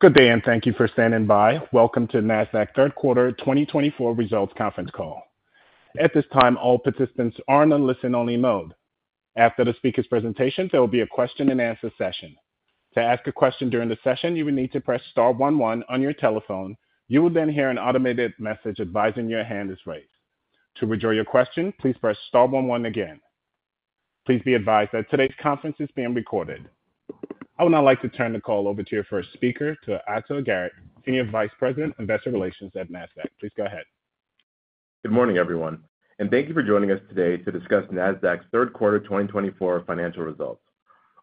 Good day, and thank you for standing by. Welcome to Nasdaq's third quarter twenty twenty-four results conference call. At this time, all participants are on a listen-only mode. After the speaker's presentation, there will be a question-and-answer session. To ask a question during the session, you will need to press star one one on your telephone. You will then hear an automated message advising your hand is raised. To withdraw your question, please press star one one again. Please be advised that today's conference is being recorded. I would now like to turn the call over to your first speaker, to Ato Garrett, Senior Vice President, Investor Relations at Nasdaq. Please go ahead. Good morning, everyone, and thank you for joining us today to discuss Nasdaq's third quarter twenty twenty-four financial results.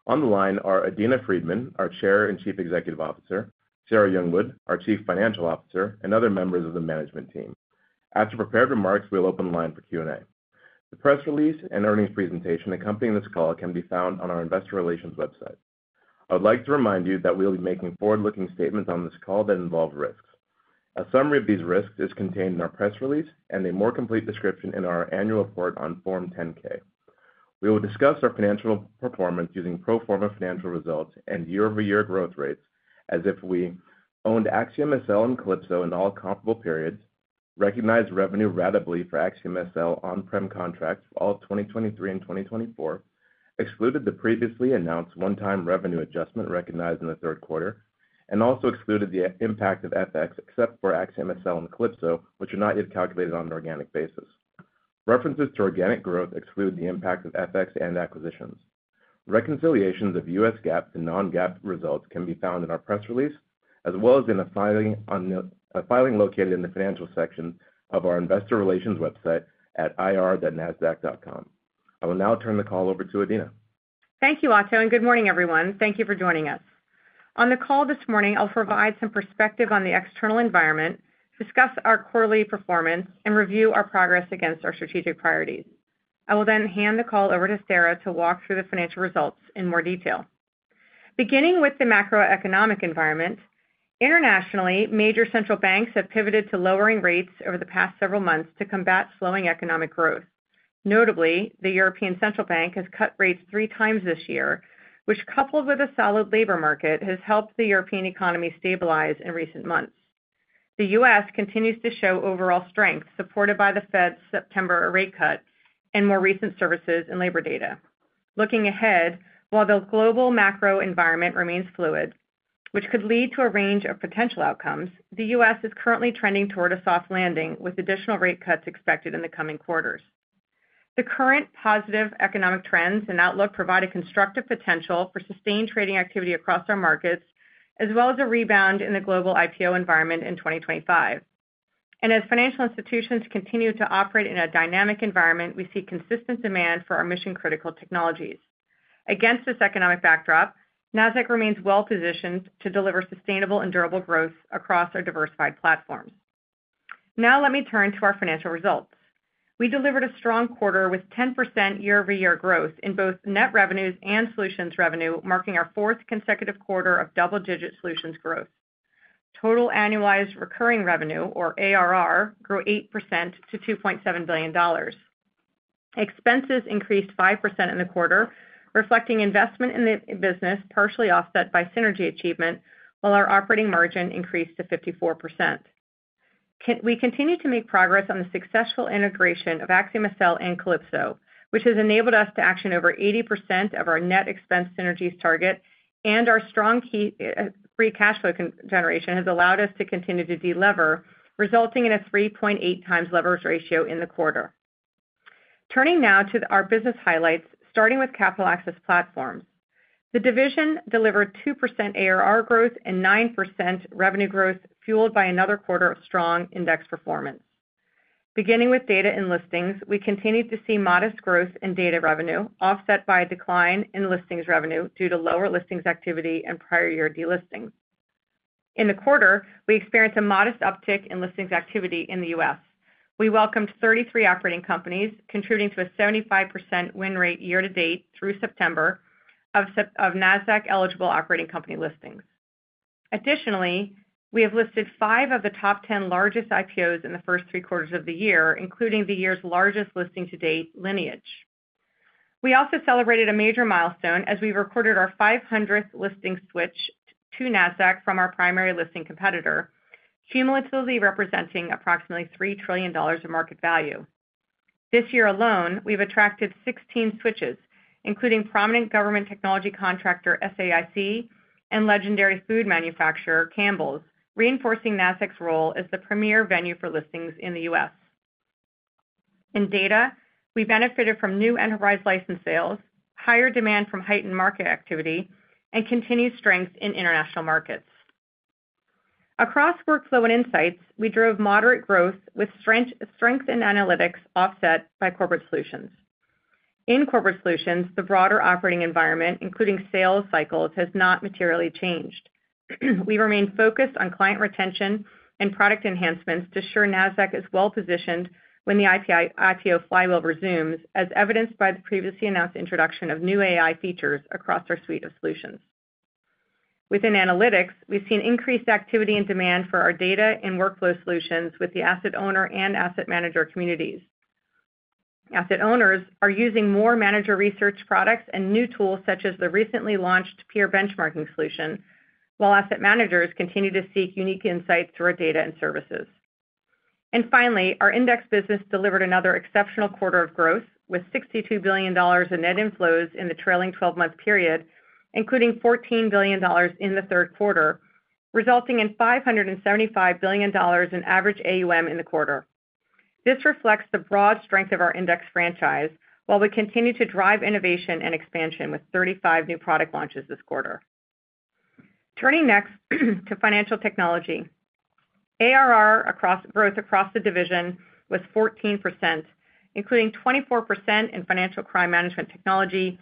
On the line are Adena Friedman, our Chair and Chief Executive Officer, Sarah Youngwood, our Chief Financial Officer, and other members of the management team. After prepared remarks, we'll open the line for Q&A. The press release and earnings presentation accompanying this call can be found on our investor relations website. I would like to remind you that we'll be making forward-looking statements on this call that involve risks. A summary of these risks is contained in our press release and a more complete description in our annual report on Form 10-K. We will discuss our financial performance using pro forma financial results and year-over-year growth rates as if we owned AxiomSL and Calypso in all comparable periods, recognized revenue ratably for AxiomSL on-prem contracts for all of 2023 and 2024, excluded the previously announced one-time revenue adjustment recognized in the third quarter, and also excluded the impact of FX, except for AxiomSL and Calypso, which are not yet calculated on an organic basis. References to organic growth exclude the impact of FX and acquisitions. Reconciliations of U.S. GAAP to non-GAAP results can be found in our press release, as well as in a filing located in the Financial section of our Investor Relations website at ir.nasdaq.com. I will now turn the call over to Adena. Thank you, Ato, and good morning, everyone. Thank you for joining us. On the call this morning, I'll provide some perspective on the external environment, discuss our quarterly performance, and review our progress against our strategic priorities. I will then hand the call over to Sarah to walk through the financial results in more detail. Beginning with the macroeconomic environment, internationally, major central banks have pivoted to lowering rates over the past several months to combat slowing economic growth. Notably, the European Central Bank has cut rates three times this year, which, coupled with a solid labor market, has helped the European economy stabilize in recent months. The U.S. continues to show overall strength, supported by the Fed's September rate cut and more recent services and labor data. Looking ahead, while the global macro environment remains fluid, which could lead to a range of potential outcomes, the U.S. is currently trending toward a soft landing, with additional rate cuts expected in the coming quarters. The current positive economic trends and outlook provide a constructive potential for sustained trading activity across our markets, as well as a rebound in the global IPO environment in 2025, and as financial institutions continue to operate in a dynamic environment, we see consistent demand for our mission-critical technologies. Against this economic backdrop, Nasdaq remains well positioned to deliver sustainable and durable growth across our diversified platforms. Now let me turn to our financial results. We delivered a strong quarter with 10% year-over-year growth in both net revenues and solutions revenue, marking our fourth consecutive quarter of double-digit solutions growth. Total annualized recurring revenue, or ARR, grew 8% to $2.7 billion. Expenses increased 5% in the quarter, reflecting investment in the business, partially offset by synergy achievement, while our operating margin increased to 54%. We continue to make progress on the successful integration of AxiomSL and Calypso, which has enabled us to action over 80% of our net expense synergies target, and our strong key free cash flow generation has allowed us to continue to delever, resulting in a 3.8 times leverage ratio in the quarter. Turning now to our business highlights, Capital Access Platforms. the division delivered 2% ARR growth and 9% revenue growth, fueled by another quarter of strong Index performance. Beginning with Data and Listings, we continued to see modest growth in data revenue, offset by a decline in listings revenue due to lower listings activity and prior year delisting. In the quarter, we experienced a modest uptick in listings activity in the U.S. We welcomed thirty-three operating companies, contributing to a 75% win rate year to date through September of Nasdaq-eligible operating company listings. Additionally, we have listed five of the top ten largest IPOs in the first three quarters of the year, including the year's largest listing to date, Lineage. We also celebrated a major milestone as we recorded our five hundredth listing switch to Nasdaq from our primary listing competitor, cumulatively representing approximately $3 trillion of market value. This year alone, we've attracted 16 switches, including prominent government technology contractor, SAIC, and legendary food manufacturer, Campbell's, reinforcing Nasdaq's role as the premier venue for listings in the U.S. In data, we benefited from new enterprise license sales, higher demand from heightened market activity, and continued strength in international Workflow and Insights, we drove moderate growth with strength in Analytics, offset by Corporate Solutions. In Corporate Solutions, the broader operating environment, including sales cycles, has not materially changed. We remain focused on client retention and product enhancements to ensure Nasdaq is well positioned when the IPO flywheel resumes, as evidenced by the previously announced introduction of new AI features across our suite of solutions. Within Analytics, we've seen increased activity and demand for our data and workflow solutions with the asset owner and asset manager communities. Asset owners are using more manager research products and new tools, such as the recently launched peer benchmarking solution, while asset managers continue to seek unique insights through our data and services. And finally, our Index business delivered another exceptional quarter of growth, with $62 billion in net inflows in the trailing twelve-month period, including $14 billion in the third quarter, resulting in $575 billion in average AUM in the quarter. This reflects the broad strength of our Index franchise, while we continue to drive innovation and expansion with 35 new product launches this quarter. Turning next to Financial Technology. ARR growth across the division was 14%, including 24% in Financial Crime Management Technology,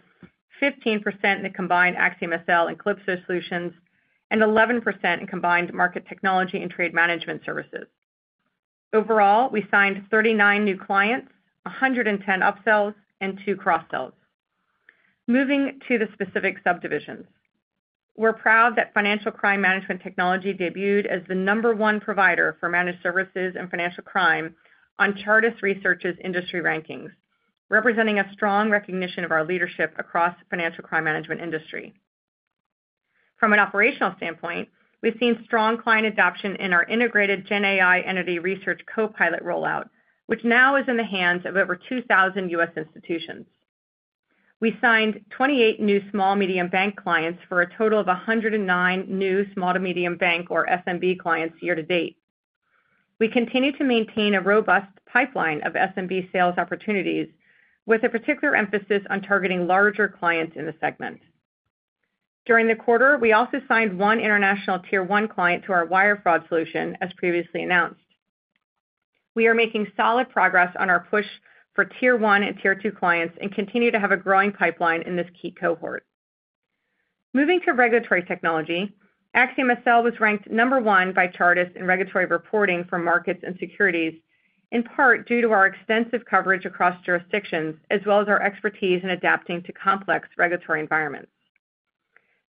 15% in the combined AxiomSL and Calypso solutions, and 11% in Market Technology and Trade Management Services. Overall, we signed 39 new clients, 110 upsells, and two cross-sells. Moving to the specific subdivisions. We're proud that Financial Crime Management Technology debuted as the number one provider for managed services and financial crime on Chartis Research's industry rankings, representing a strong recognition of our leadership across the financial crime management industry. From an operational standpoint, we've seen strong client adoption in our integrated GenAI Entity Research Copilot rollout, which now is in the hands of over 2,000 U.S. institutions. We signed 28 new small to medium bank clients for a total of 109 new small to medium bank or SMB clients year to date. We continue to maintain a robust pipeline of SMB sales opportunities, with a particular emphasis on targeting larger clients in the segment. During the quarter, we also signed one international tier one client to our wire fraud solution, as previously announced. We are making solid progress on our push for tier one and tier two clients, and continue to have a growing pipeline in this key cohort. Moving to Regulatory Technology, AxiomSL was ranked number one by Chartis in regulatory reporting for markets and securities, in part due to our extensive coverage across jurisdictions, as well as our expertise in adapting to complex regulatory environments.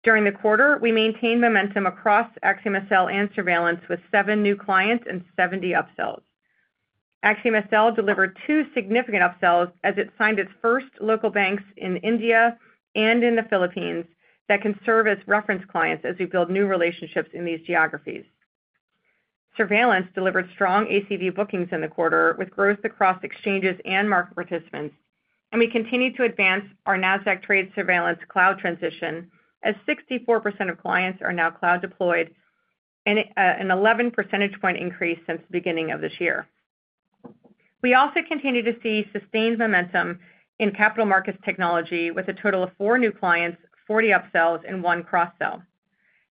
During the quarter, we maintained momentum across AxiomSL and Surveillance with seven new clients and seventy upsells. AxiomSL delivered two significant upsells as it signed its first local banks in India and in the Philippines that can serve as reference clients as we build new relationships in these geographies. Surveillance delivered strong ACV bookings in the quarter, with growth across exchanges and market participants, and we continued to advance our Nasdaq Trade Surveillance cloud transition, as 64% of clients are now cloud-deployed, and an 11 percentage point increase since the beginning of this year. We also continue to see sustained momentum in Capital Markets Technology, with a total of four new clients, 40 upsells, and one cross-sell.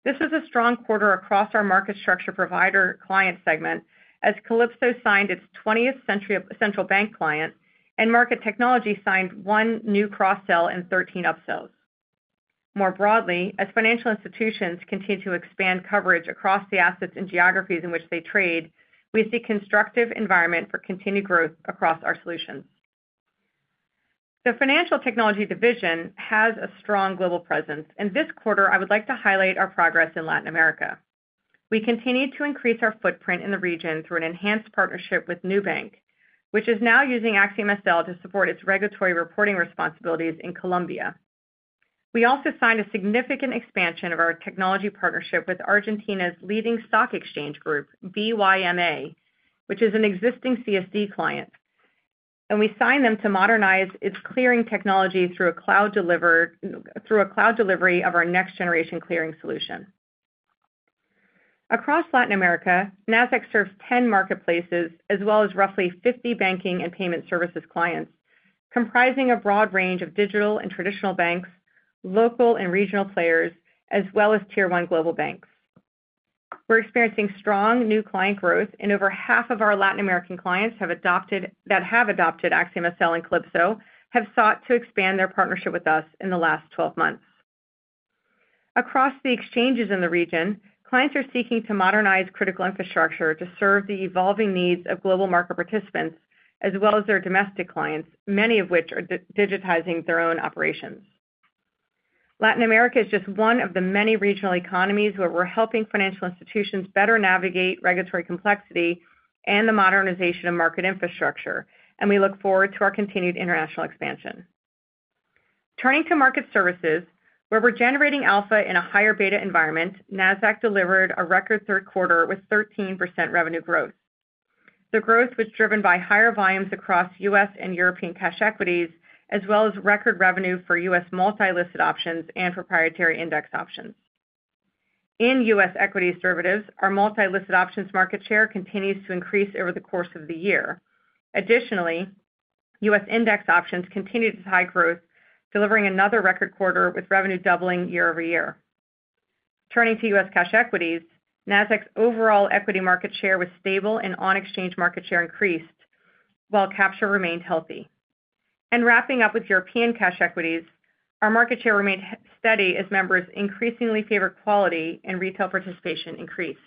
This was a strong quarter across our market structure provider client segment, as Calypso signed its twentieth central bank client, Market Technology signed one new cross-sell and 13 upsells. More broadly, as financial institutions continue to expand coverage across the assets and geographies in which they trade, we see constructive environment for continued growth across our solutions. The Financial Technology division has a strong global presence, and this quarter, I would like to highlight our progress in Latin America. We continued to increase our footprint in the region through an enhanced partnership with Nubank, which is now using AxiomSL to support its regulatory reporting responsibilities in Colombia. We also signed a significant expansion of our technology partnership with Argentina's leading stock exchange group, BYMA, which is an existing CSD client, and we signed them to modernize its clearing technology through a cloud delivery of our next-generation clearing solution. Across Latin America, Nasdaq serves 10 marketplaces, as well as roughly 50 banking and payment services clients, comprising a broad range of digital and traditional banks, local and regional players, as well as tier one global banks. We're experiencing strong new client growth, and over half of our Latin American clients that have adopted AxiomSL and Calypso have sought to expand their partnership with us in the last twelve months. Across the exchanges in the region, clients are seeking to modernize critical infrastructure to serve the evolving needs of global market participants, as well as their domestic clients, many of which are digitizing their own operations. Latin America is just one of the many regional economies where we're helping financial institutions better navigate regulatory complexity and the modernization of market infrastructure, and we look forward to our continued international expansion. Turning to Market Services, where we're generating alpha in a higher beta environment, Nasdaq delivered a record third quarter with 13% revenue growth. The growth was driven by higher volumes across U.S. and European cash equities, as well as record revenue for U.S. multi-listed options and proprietary Index options. In U.S. equity derivatives, our multi-listed options market share continues to increase over the course of the year. Additionally, U.S. Index options continued its high growth, delivering another record quarter with revenue doubling year-over-year. Turning to U.S. cash equities, Nasdaq's overall equity market share was stable, and on-exchange market share increased, while capture remained healthy, and wrapping up with European cash equities, our market share remained steady as members increasingly favored quality and retail participation increased.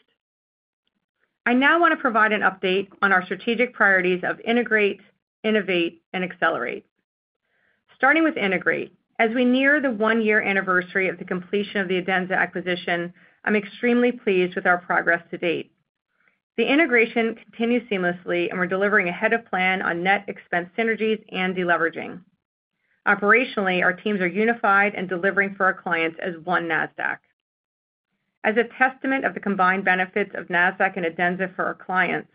I now want to provide an update on our strategic priorities of integrate, innovate, and accelerate... Starting with integrate. As we near the one-year anniversary of the completion of the Adenza acquisition, I'm extremely pleased with our progress to date. The integration continues seamlessly, and we're delivering ahead of plan on net expense synergies and deleveraging. Operationally, our teams are unified and delivering for our clients as One Nasdaq. As a testament of the combined benefits of Nasdaq and Adenza for our clients,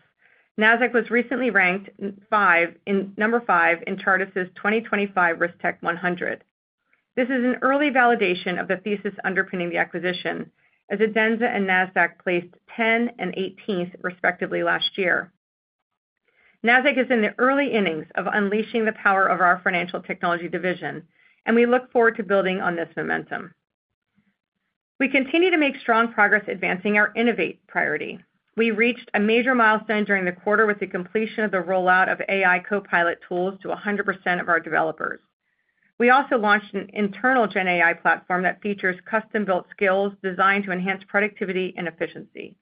Nasdaq was recently ranked number five in Chartis' 2025 RiskTech100. This is an early validation of the thesis underpinning the acquisition, as Adenza and Nasdaq placed 10th and 18th, respectively, last year. Nasdaq is in the early innings of unleashing the power of our Financial Technology division, and we look forward to building on this momentum. We continue to make strong progress advancing our innovate priority. We reached a major milestone during the quarter with the completion of the rollout of AI copilot tools to 100% of our developers. We also launched an internal GenAI platform that features custom-built skills designed to enhance productivity and efficiency.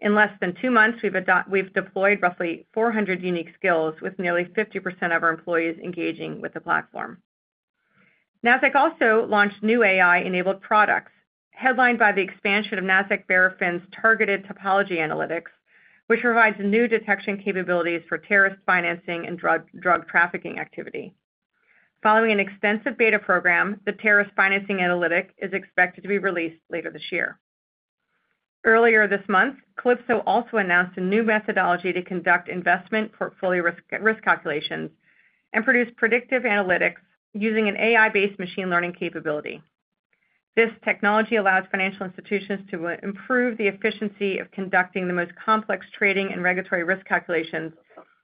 In less than two months, we've deployed roughly 400 unique skills, with nearly 50% of our employees engaging with the platform. Nasdaq also launched new AI-enabled products, headlined by the expansion of Nasdaq Verafin's Targeted Topology Analytics, which provides new detection capabilities for terrorist financing and drug trafficking activity. Following an extensive beta program, the terrorist financing analytic is expected to be released later this year. Earlier this month, Calypso also announced a new methodology to conduct investment portfolio risk calculations, and produce predictive Analytics using an AI-based machine learning capability. This technology allows financial institutions to improve the efficiency of conducting the most complex trading and regulatory risk calculations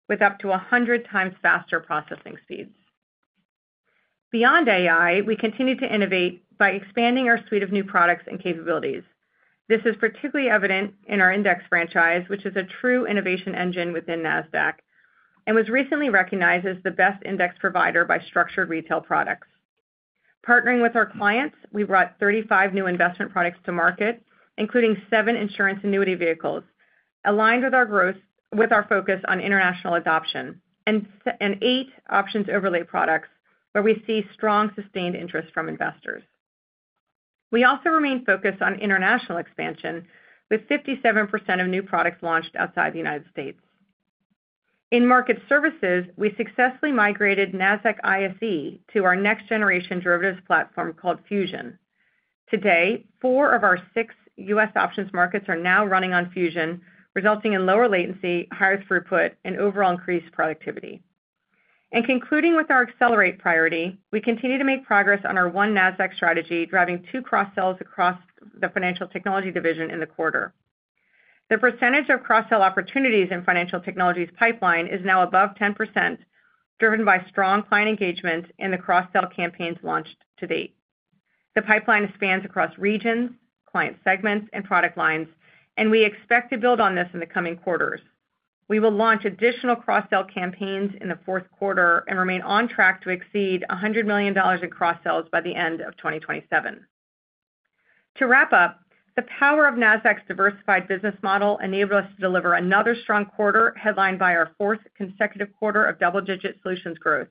with up to 100 times faster processing speeds. Beyond AI, we continue to innovate by expanding our suite of new products and capabilities. This is particularly evident in our Index franchise, which is a true innovation engine within Nasdaq, and was recently recognized as the best Index provider by Structured Retail Products. Partnering with our clients, we brought 35 new investment products to market, including seven insurance annuity vehicles aligned with our growth, with our focus on international adoption, and eight options overlay products, where we see strong, sustained interest from investors. We also remain focused on international expansion, with 57% of new products launched outside the United States. In Market Services, we successfully migrated Nasdaq ISE to our next-generation derivatives platform called Fusion. Today, four of our six U.S. options markets are now running on Fusion, resulting in lower latency, higher throughput, and overall increased productivity. Concluding with our accelerate priority, we continue to make progress on our One Nasdaq strategy, driving two cross-sells across the Financial Technology division in the quarter. The percentage of cross-sell opportunities in financial technologies pipeline is now above 10%, driven by strong client engagement in the cross-sell campaigns launched to date. The pipeline spans across regions, client segments, and product lines, and we expect to build on this in the coming quarters. We will launch additional cross-sell campaigns in the fourth quarter and remain on track to exceed $100 million in cross-sells by the end of 2027. To wrap up, the power of Nasdaq's diversified business model enabled us to deliver another strong quarter, headlined by our fourth consecutive quarter of double-digit solutions growth.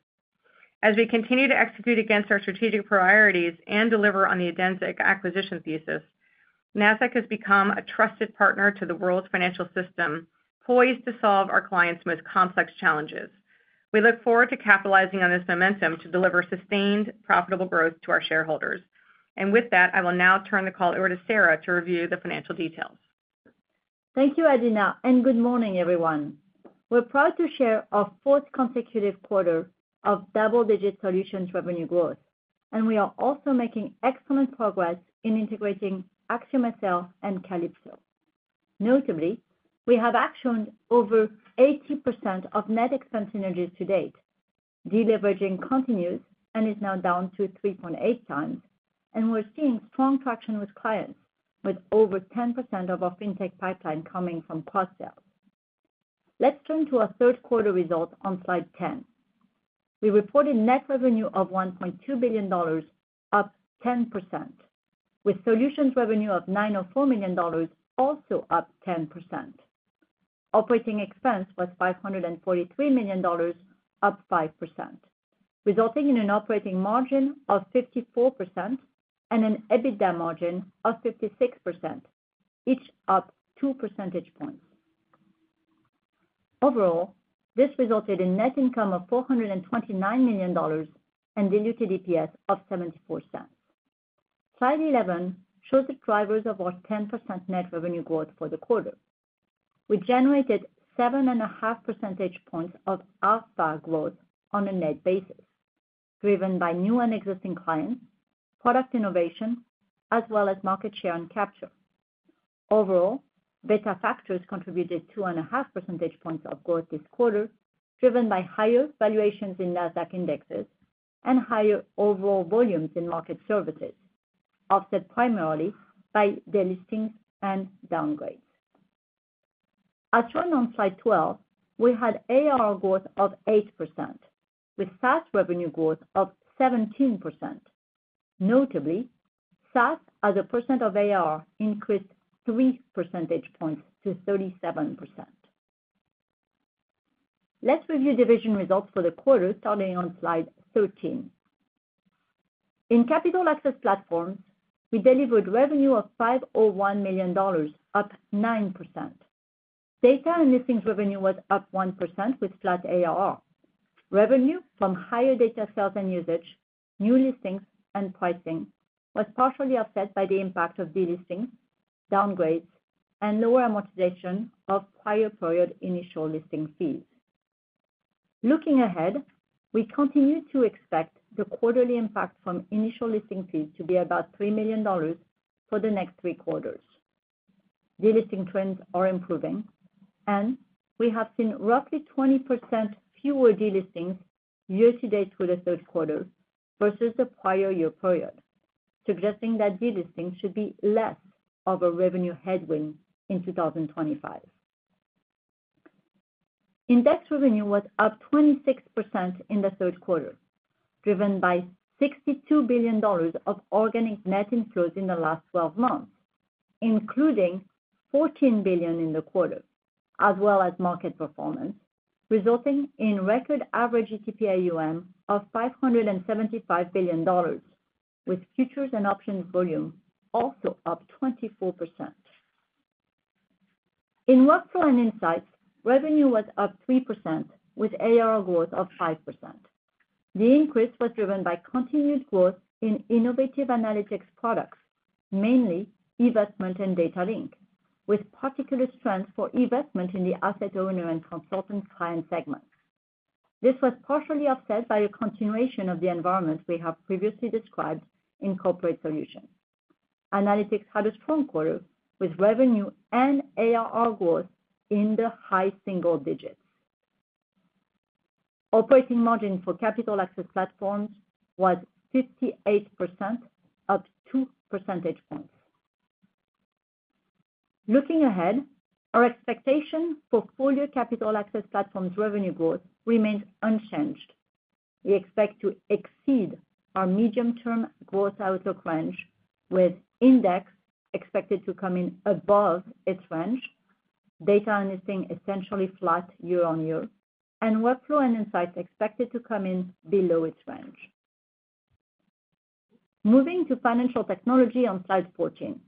As we continue to execute against our strategic priorities and deliver on the Adenza acquisition thesis, Nasdaq has become a trusted partner to the world's financial system, poised to solve our clients' most complex challenges. We look forward to capitalizing on this momentum to deliver sustained, profitable growth to our shareholders. And with that, I will now turn the call over to Sarah to review the financial details. Thank you, Adena, and good morning, everyone. We're proud to share our fourth consecutive quarter of double-digit solutions revenue growth, and we are also making excellent progress in integrating Adenza and Calypso. Notably, we have actioned over 80% of net expense synergies to date. Deleveraging continues and is now down to 3.8 times, and we're seeing strong traction with clients, with over 10% of our Fintech pipeline coming from cross-sales. Let's turn to our third quarter results on slide 10. We reported net revenue of $1.2 billion, up 10%, with solutions revenue of $904 million, also up 10%. Operating expense was $543 million, up 5%, resulting in an operating margin of 54% and an EBITDA margin of 56%, each up two percentage points. Overall, this resulted in net income of $429 million and diluted EPS of $0.74. Slide 11 shows the drivers of our 10% net revenue growth for the quarter. We generated seven and a half percentage points of organic growth on a net basis, driven by new and existing clients, product innovation, as well as market share and capture. Overall, beta factors contributed two and a half percentage points of growth this quarter, driven by higher valuations in Nasdaq Indexes and higher overall volumes in Market Services, offset primarily by delistings and downgrades. As shown on Slide 12, we had AR growth of 8%, with SaaS revenue growth of 17%. Notably, SaaS, as a percent of AR, increased three percentage points to 37%. Let's review division results for the quarter, starting on slide 13. Capital Access Platforms, we delivered revenue of $501 million, up 9%. Data and Listings revenue was up 1% with flat ARR. Revenue from higher data sales and usage, new listings, and pricing was partially offset by the impact of delisting, downgrades, and lower amortization of prior period initial listing fees. Looking ahead, we continue to expect the quarterly impact from initial listing fees to be about $3 million for the next three quarters. Delisting trends are improving, and we have seen roughly 20% fewer delistings year-to-date through the third quarter versus the prior year period, suggesting that delisting should be less of a revenue headwind in 2025. Index revenue was up 26% in the third quarter, driven by $62 billion of organic net inflows in the last twelve months, including $14 billion in the quarter, as well as market performance, resulting in record average ETP AUM of $575 billion, with futures and options volume also up 24%. In Workflow and Insights, revenue was up 3% with ARR growth of 5%. The increase was driven by continued growth in innovative Analytics products, mainly eVestment and Data Link, with particular strength for eVestment in the asset owner and consultant client segments. This was partially offset by a continuation of the environment we have previously described in Corporate Solutions. Analytics had a strong quarter, with revenue and ARR growth in the high single digits. Operating Capital Access Platforms was 58%, up two percentage points. Looking ahead, our expectation Capital Access Platforms revenue growth remains unchanged. We expect to exceed our medium-term growth outlook range, with Index expected to come in above its range, data and listing essentially flat year-on-year, and Workflow and Insights expected to come in below its range. Moving to Financial Technology on slide 14.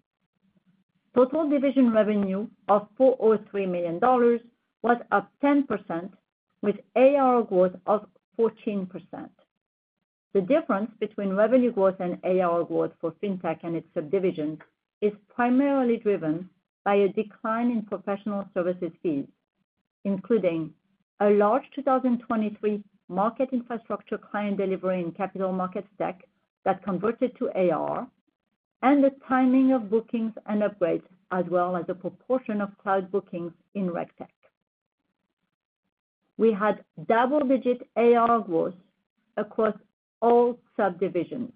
Total division revenue of $403 million was up 10%, with ARR growth of 14%. The difference between revenue growth and ARR growth for Fintech and its subdivisions is primarily driven by a decline in professional services fees, including a large 2023 market infrastructure client delivery in capital markets tech that converted to ARR, and the timing of bookings and upgrades, as well as the proportion of cloud bookings in RegTech. We had double-digit ARR growth across all subdivisions,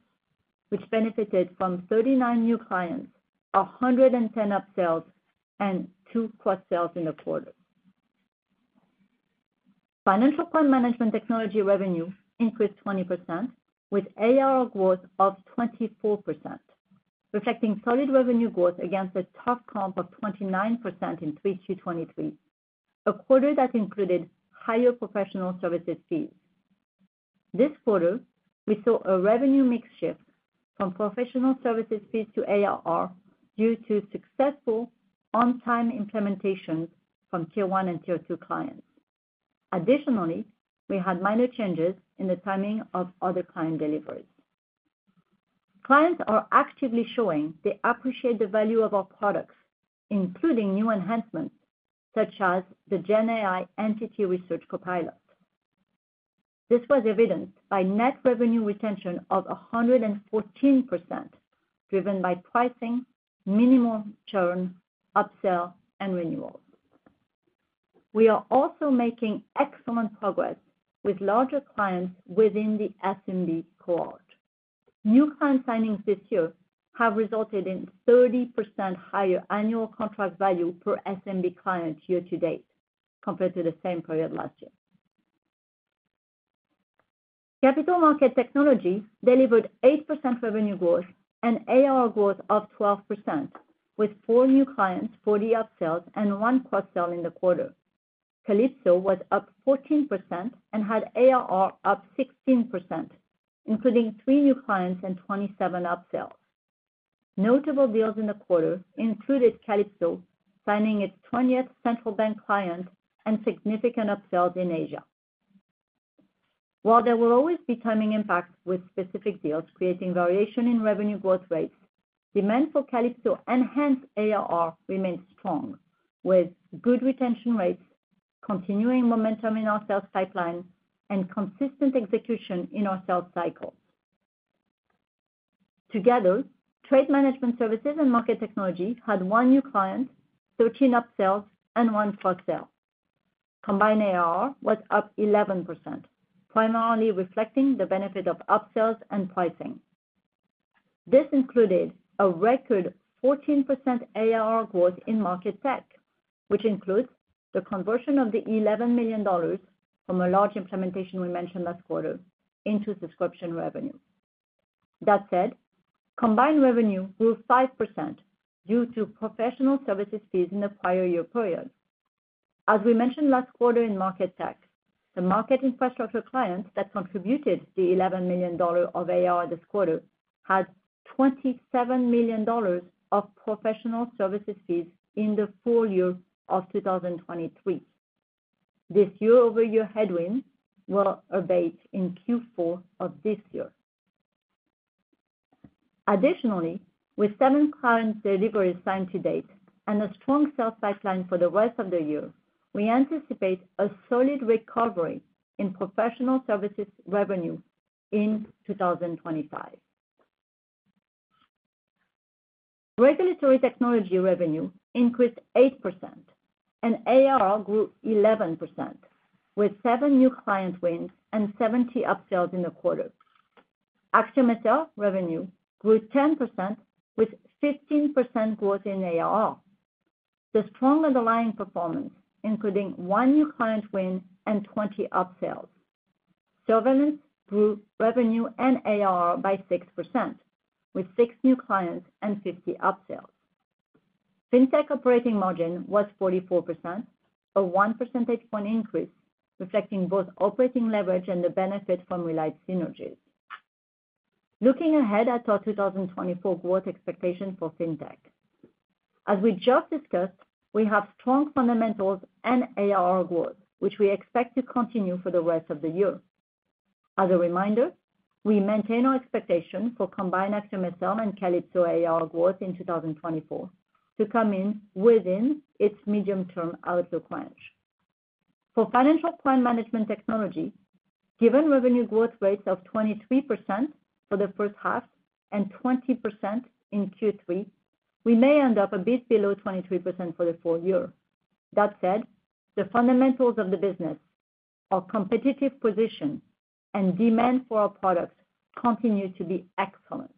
which benefited from 39 new clients, 110 upsells, and two cross-sells in the quarter. Financial Crime Management Technology revenue increased 20%, with ARR growth of 24%, reflecting solid revenue growth against a tough comp of 29% in 3Q 2023, a quarter that included higher professional services fees. This quarter, we saw a revenue mix shift from professional services fees to ARR due to successful on-time implementations from tier one and tier two clients. Additionally, we had minor changes in the timing of other client deliveries. Clients are actively showing they appreciate the value of our products, including new enhancements, such as the GenAI Entity Research Copilot. This was evidenced by net revenue retention of 114%, driven by pricing, minimal churn, upsell, and renewals. We are also making excellent progress with larger clients within the SMB cohort. New client signings this year have resulted in 30% higher annual contract value per SMB client year-to-date compared to the same period last year. Market Technology delivered 8% revenue growth and ARR growth of 12%, with four new clients, 40 upsells, and one cross-sell in the quarter. Calypso was up 14% and had ARR up 16%, including three new clients and 27 upsells. Notable deals in the quarter included Calypso signing its 20th central bank client and significant upsells in Asia. While there will always be timing impacts with specific deals creating variation in revenue growth rates, demand for Calypso enhanced ARR remains strong, with good retention rates, continuing momentum in our sales pipeline, and consistent execution in our sales cycle. Together, Trade Management Services Market Technology had one new client, 13 upsells, and one cross-sell. Combined ARR was up 11%, primarily reflecting the benefit of upsells and pricing. This included a record 14% ARR growth in Market Tech, which includes the conversion of the $11 million from a large implementation we mentioned last quarter into subscription revenue. That said, combined revenue grew 5% due to professional services fees in the prior year period. As we mentioned last quarter in Market Tech, the market infrastructure clients that contributed the $11 million dollars of ARR this quarter, had $27 million of professional services fees in the full year of 2023. This year-over-year headwind will abate in Q4 of this year. Additionally, with seven client deliveries signed to date and a strong sales pipeline for the rest of the year, we anticipate a solid recovery in professional services revenue in 2025. Regulatory Technology revenue increased 8%, and ARR grew 11%, with seven new client wins and 70 upsells in the quarter. AxiomSL revenue grew 10%, with 15% growth in ARR. The strong underlying performance, including one new client win and 20 upsells. Surveillance grew revenue and ARR by 6%, with six new clients and 50 upsells. Fintech operating margin was 44%, a one percentage point increase, reflecting both operating leverage and the benefit from realized synergies. Looking ahead at our 2024 growth expectation for Fintech. As we just discussed, we have strong fundamentals and ARR growth, which we expect to continue for the rest of the year. As a reminder, we maintain our expectation for combined AxiomSL and Calypso ARR growth in 2024, to come in within its medium-term outlook range. For Financial Crime Management Technology, given revenue growth rates of 23% for the first half and 20% in Q3, we may end up a bit below 23% for the full year. That said, the fundamentals of the business, our competitive position, and demand for our products continue to be excellent.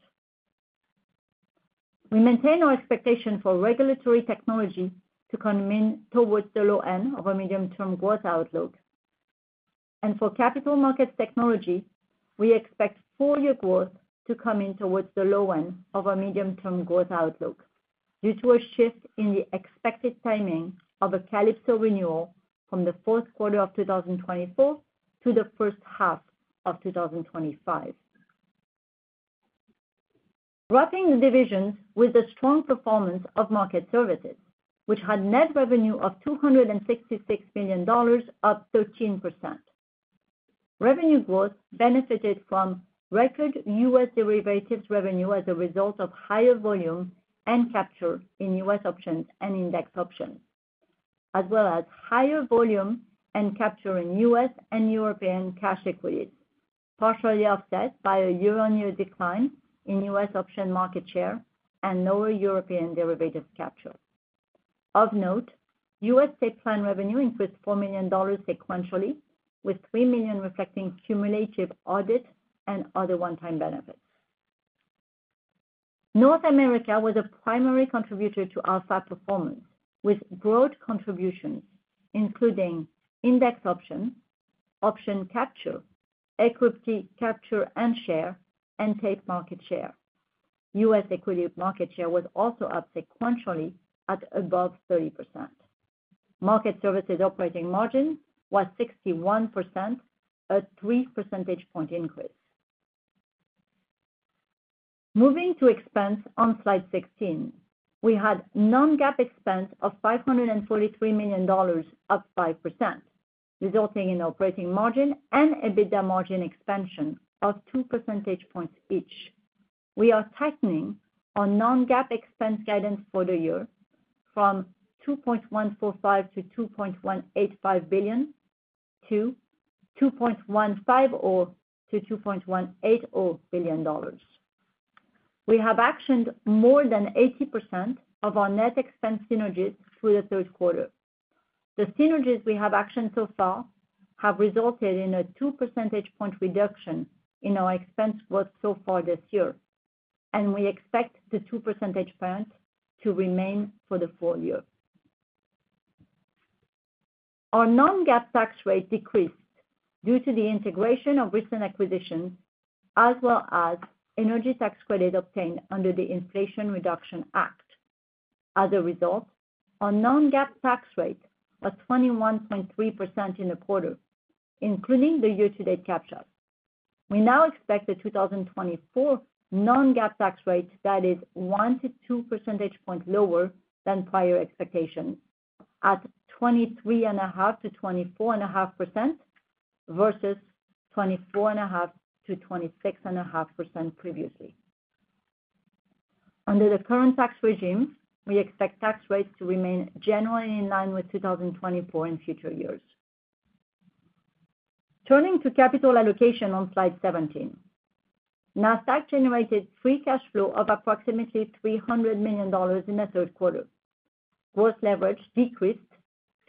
We maintain our expectation for Regulatory Technology to come in towards the low end of our medium-term growth outlook. And for Capital Markets Technology, we expect full year growth to come in towards the low end of our medium-term growth outlook, due to a shift in the expected timing of a Calypso renewal from the fourth quarter of two thousand and twenty-four to the first half of two thousand and twenty-five. Wrapping the divisions with the strong performance of Market Services, which had net revenue of $266 million, up 13%. Revenue growth benefited from record U.S. derivatives revenue as a result of higher volume and capture in U.S. options and Index options, as well as higher volume and capture in U.S. and European cash equities, partially offset by a year-on-year decline in U.S. option market share and lower European derivatives capture. Of note, U.S. Tape Plan revenue increased $4 million sequentially, with $3 million reflecting cumulative audit and other one-time benefits. North America was a primary contributor to our performance, with broad contributions, including Index option, option capture, equity capture and share, and tape market share. U.S. equity market share was also up sequentially at above 30%. Market Services operating margin was 61%, a three percentage point increase. Moving to expense on slide 16, we had non-GAAP expense of $543 million, up 5%, resulting in operating margin and EBITDA margin expansion of two percentage points each. We are tightening our non-GAAP expense guidance for the year from $2.145-$2.185 billion to $2.150-$2.180 billion. We have actioned more than 80% of our net expense synergies through the third quarter. The synergies we have actioned so far have resulted in a two percentage point reduction in our expense growth so far this year, and we expect the two percentage points to remain for the full year. Our non-GAAP tax rate decreased due to the integration of recent acquisitions, as well as energy tax credit obtained under the Inflation Reduction Act. As a result, our non-GAAP tax rate was 21.3% in the quarter, including the year-to-date capture. We now expect the 2024 non-GAAP tax rate that is one to two percentage points lower than prior expectations, at 23.5%-24.5%, versus 24.5%-26.5% previously. Under the current tax regime, we expect tax rates to remain generally in line with 2024 in future years. Turning to capital allocation on slide 17. Nasdaq generated free cash flow of approximately $300 million in the third quarter. Gross leverage decreased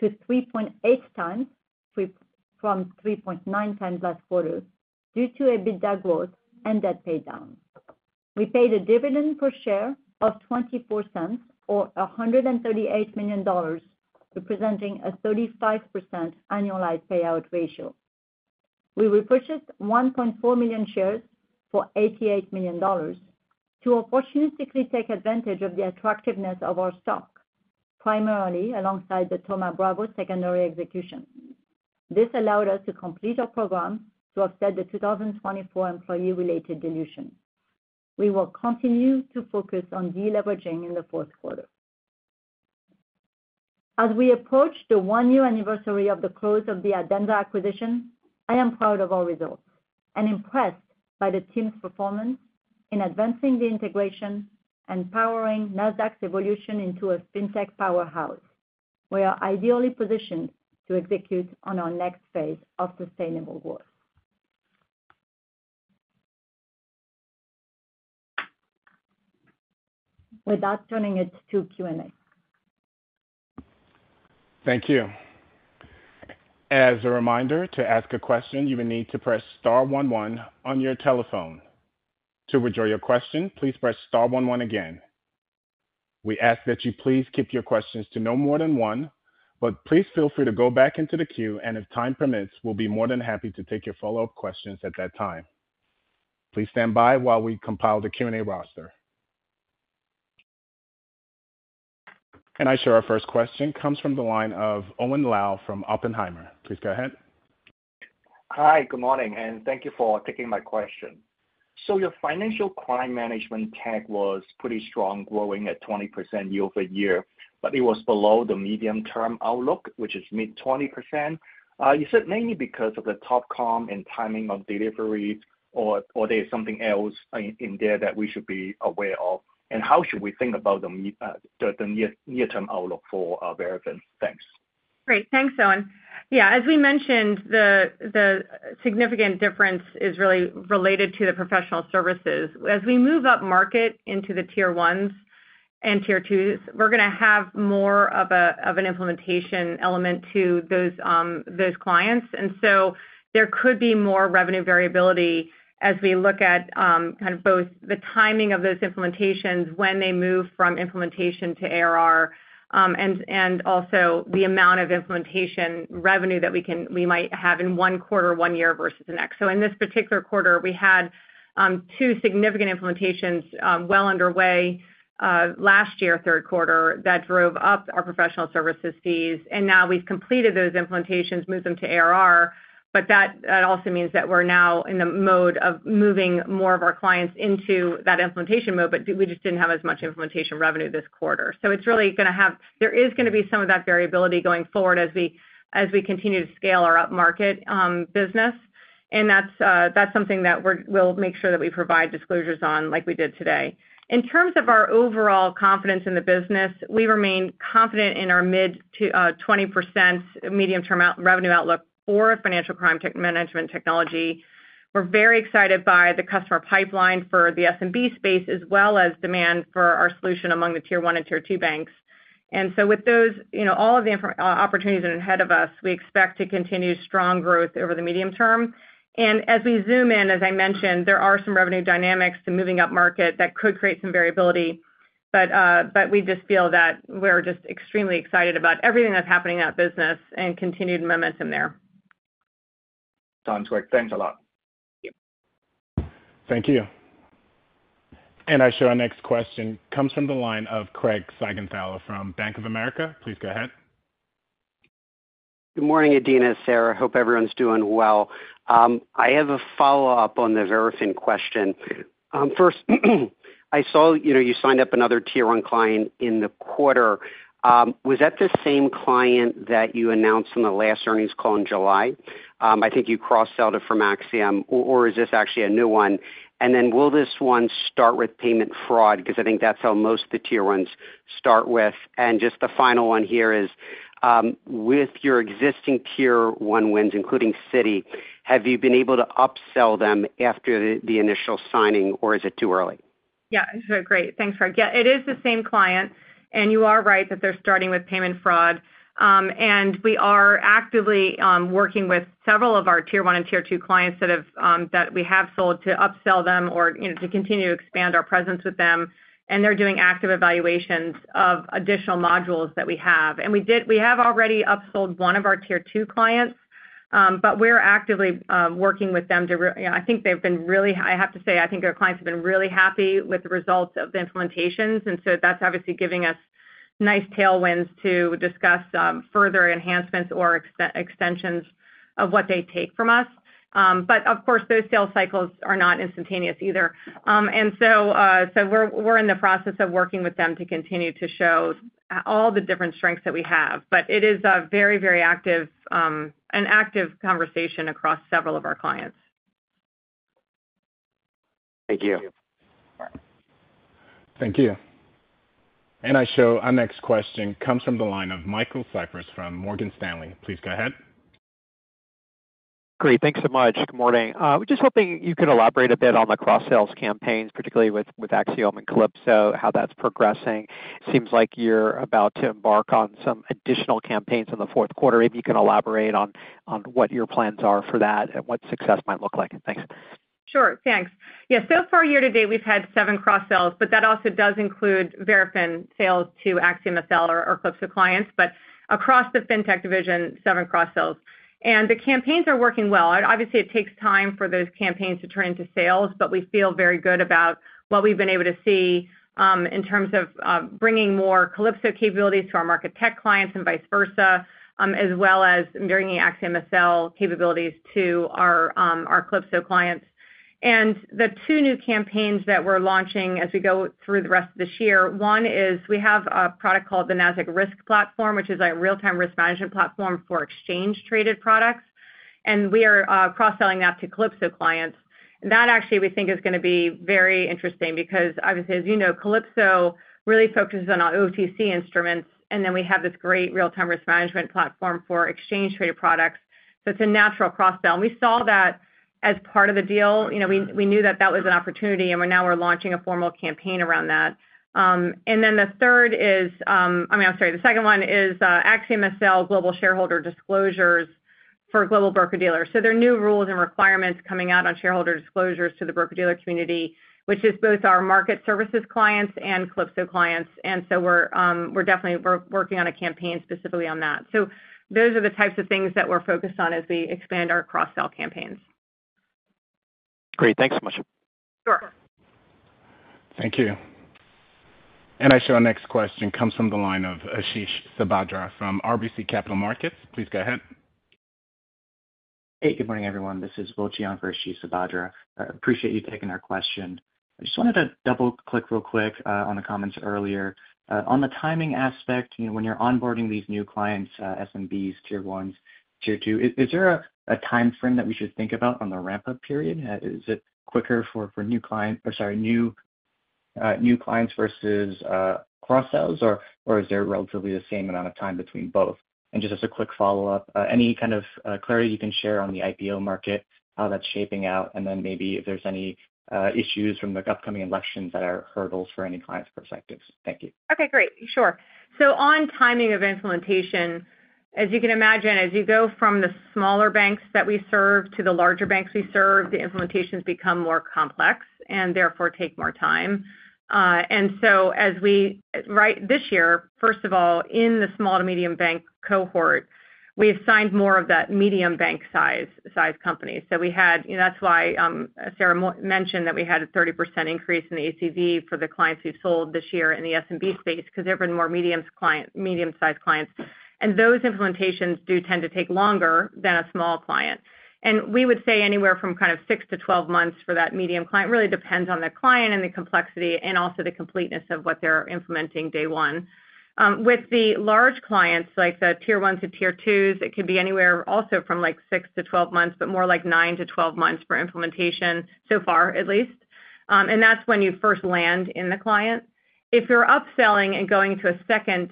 to 3.8 times from 3.9 times last quarter, due to EBITDA growth and debt pay down. We paid a dividend per share of $0.24, or $138 million, representing a 35% annualized payout ratio. We repurchased 1.4 million shares for $88 million to opportunistically take advantage of the attractiveness of our stock, primarily alongside the Thoma Bravo secondary execution. This allowed us to complete our program to offset the 2024 employee-related dilution. We will continue to focus on deleveraging in the fourth quarter. As we approach the one-year anniversary of the close of the Adenza acquisition, I am proud of our results and impressed by the team's performance in advancing the integration and powering Nasdaq's evolution into a Fintech powerhouse. We are ideally positioned to execute on our next phase of sustainable growth. With that, turning it to Q&A. Thank you. As a reminder, to ask a question, you will need to press star one one on your telephone. To withdraw your question, please press star one one again. We ask that you please keep your questions to no more than one, but please feel free to go back into the queue, and if time permits, we'll be more than happy to take your follow-up questions at that time. Please stand by while we compile the Q&A roster. I see our first question comes from the line of Owen Lau from Oppenheimer. Please go ahead. Hi, good morning, and thank you for taking my question. So your financial crime management tech was pretty strong, growing at 20% year-over-year, but it was below the medium-term outlook, which is mid-20%. You said mainly because of the tough comp and timing of delivery or there is something else in there that we should be aware of? And how should we think about the near-term outlook for Verafin? Thanks. Great. Thanks, Owen. Yeah, as we mentioned, the significant difference is really related to the professional services. As we move up market into the tier ones and tier twos, we're gonna have more of an implementation element to those clients. And so there could be more revenue variability as we look at kind of both the timing of those implementations, when they move from implementation to ARR, and also the amount of implementation revenue that we might have in one quarter, one year versus the next. So in this particular quarter, we had two significant implementations well underway last year, third quarter, that drove up our professional services fees, and now we've completed those implementations, moved them to ARR. But that also means that we're now in the mode of moving more of our clients into that implementation mode, but we just didn't have as much implementation revenue this quarter. So it's really gonna have... There is gonna be some of that variability going forward as we, as we continue to scale our upmarket business, and that's something that we're- we'll make sure that we provide disclosures on like we did today. In terms of our overall confidence in the business, we remain confident in our mid to 20% medium-term revenue outlook for Financial Crime Management Technology. We're very excited by the customer pipeline for the SMB space, as well as demand for our solution among the tier one and tier two banks. And so with those, you know, all of the information opportunities ahead of us, we expect to continue strong growth over the medium term. And as we zoom in, as I mentioned, there are some revenue dynamics to moving up market that could create some variability, but we just feel that we're just extremely excited about everything that's happening in that business and continued momentum there. Sounds great. Thanks a lot. Thank you. Thank you. And I show our next question comes from the line of Craig Seigenthaler from Bank of America. Please go ahead. Good morning, Adena and Sarah. Hope everyone's doing well. I have a follow-up on the Verafin question. First, I saw, you know, you signed up another tier one client in the quarter. Was that the same client that you announced on the last earnings call in July? I think you cross-sold it from Axiom, or is this actually a new one? And then will this one start with payment fraud? Because I think that's how most of the tier ones start with. And just the final one here is, with your existing tier one wins, including Citi, have you been able to upsell them after the initial signing, or is it too early? Yeah, so great. Thanks, Craig. Yeah, it is the same client, and you are right that they're starting with payment fraud. And we are actively working with several of our tier one and tier two clients that have that we have sold to upsell them or, you know, to continue to expand our presence with them, and they're doing active evaluations of additional modules that we have. And we have already upsold one of our tier two clients, but we're actively working with them. You know, I think they've been really happy. I have to say, I think our clients have been really happy with the results of the implementations, and so that's obviously giving us nice tailwinds to discuss further enhancements or extensions of what they take from us. But of course, those sales cycles are not instantaneous either. We're in the process of working with them to continue to show all the different strengths that we have. But it is a very, very active conversation across several of our clients. Thank you. Thank you. And I show our next question comes from the line of Michael Cyprys from Morgan Stanley. Please go ahead. Great. Thanks so much. Good morning. We're just hoping you could elaborate a bit on the cross-sales campaigns, particularly with Axiom and Calypso, how that's progressing. Seems like you're about to embark on some additional campaigns in the fourth quarter. Maybe you can elaborate on what your plans are for that and what success might look like. Thanks. Sure, thanks. Yeah, so far, year-to-date, we've had seven cross-sells, but that also does include Verafin sales to AxiomSL or Calypso clients. But across the Fintech division, seven cross-sells. And the campaigns are working well. Obviously, it takes time for those campaigns to turn into sales, but we feel very good about what we've been able to see in terms of bringing more Calypso capabilities to our Market Tech clients and vice versa, as well as bringing AxiomSL capabilities to our Calypso clients. And the two new campaigns that we're launching as we go through the rest of this year, one is we have a product called the Nasdaq Risk Platform, which is a real-time risk management platform for exchange-traded products, and we are cross-selling that to Calypso clients. And that actually we think is gonna be very interesting because obviously, as you know, Calypso really focuses on OTC instruments, and then we have this great real-time risk management platform for exchange-traded products, so it's a natural cross-sell. And we saw that as part of the deal. You know, we, we knew that that was an opportunity, and we're now launching a formal campaign around that. And then the second one is AxiomSL Global Shareholder Disclosures for global broker-dealers. So there are new rules and requirements coming out on shareholder disclosures to the broker-dealer community, which is both our Market Services clients and Calypso clients, and so we're definitely working on a campaign specifically on that. So those are the types of things that we're focused on as we expand our cross-sell campaigns. Great. Thanks so much. Sure. Thank you. And I show our next question comes from the line of Ashish Sabadra from RBC Capital Markets. Please go ahead. Hey, good morning, everyone. This is Ashish Sabadra. I appreciate you taking our question. I just wanted to double-click real quick on the comments earlier. On the timing aspect, you know, when you're onboarding these new clients, SMBs, tier ones, tier two, is there a timeframe that we should think about on the ramp-up period? Is it quicker for new clients versus cross-sells, or is there relatively the same amount of time between both? And just as a quick follow-up, any kind of clarity you can share on the IPO market, how that's shaping out, and then maybe if there's any issues from, like, upcoming elections that are hurdles for any clients perspectives? Thank you. Okay, great. Sure. So on timing of implementation, as you can imagine, as you go from the smaller banks that we serve to the larger banks we serve, the implementations become more complex and therefore take more time. And so, this year, first of all, in the small to medium bank cohort, we have signed more of that medium bank size company. So, you know, that's why Sarah mentioned that we had a 30% increase in the ACV for the clients who sold this year in the SMB space, because they've been more medium-sized clients. And those implementations do tend to take longer than a small client. We would say anywhere from kind of six to 12 months for that medium client. It really depends on the client and the complexity and also the completeness of what they're implementing day one. With the large clients, like the tier one to tier twos, it could be anywhere also from like six to 12 months, but more like nine to 12 months for implementation so far, at least. And that's when you first land the client. If you're upselling and going to a second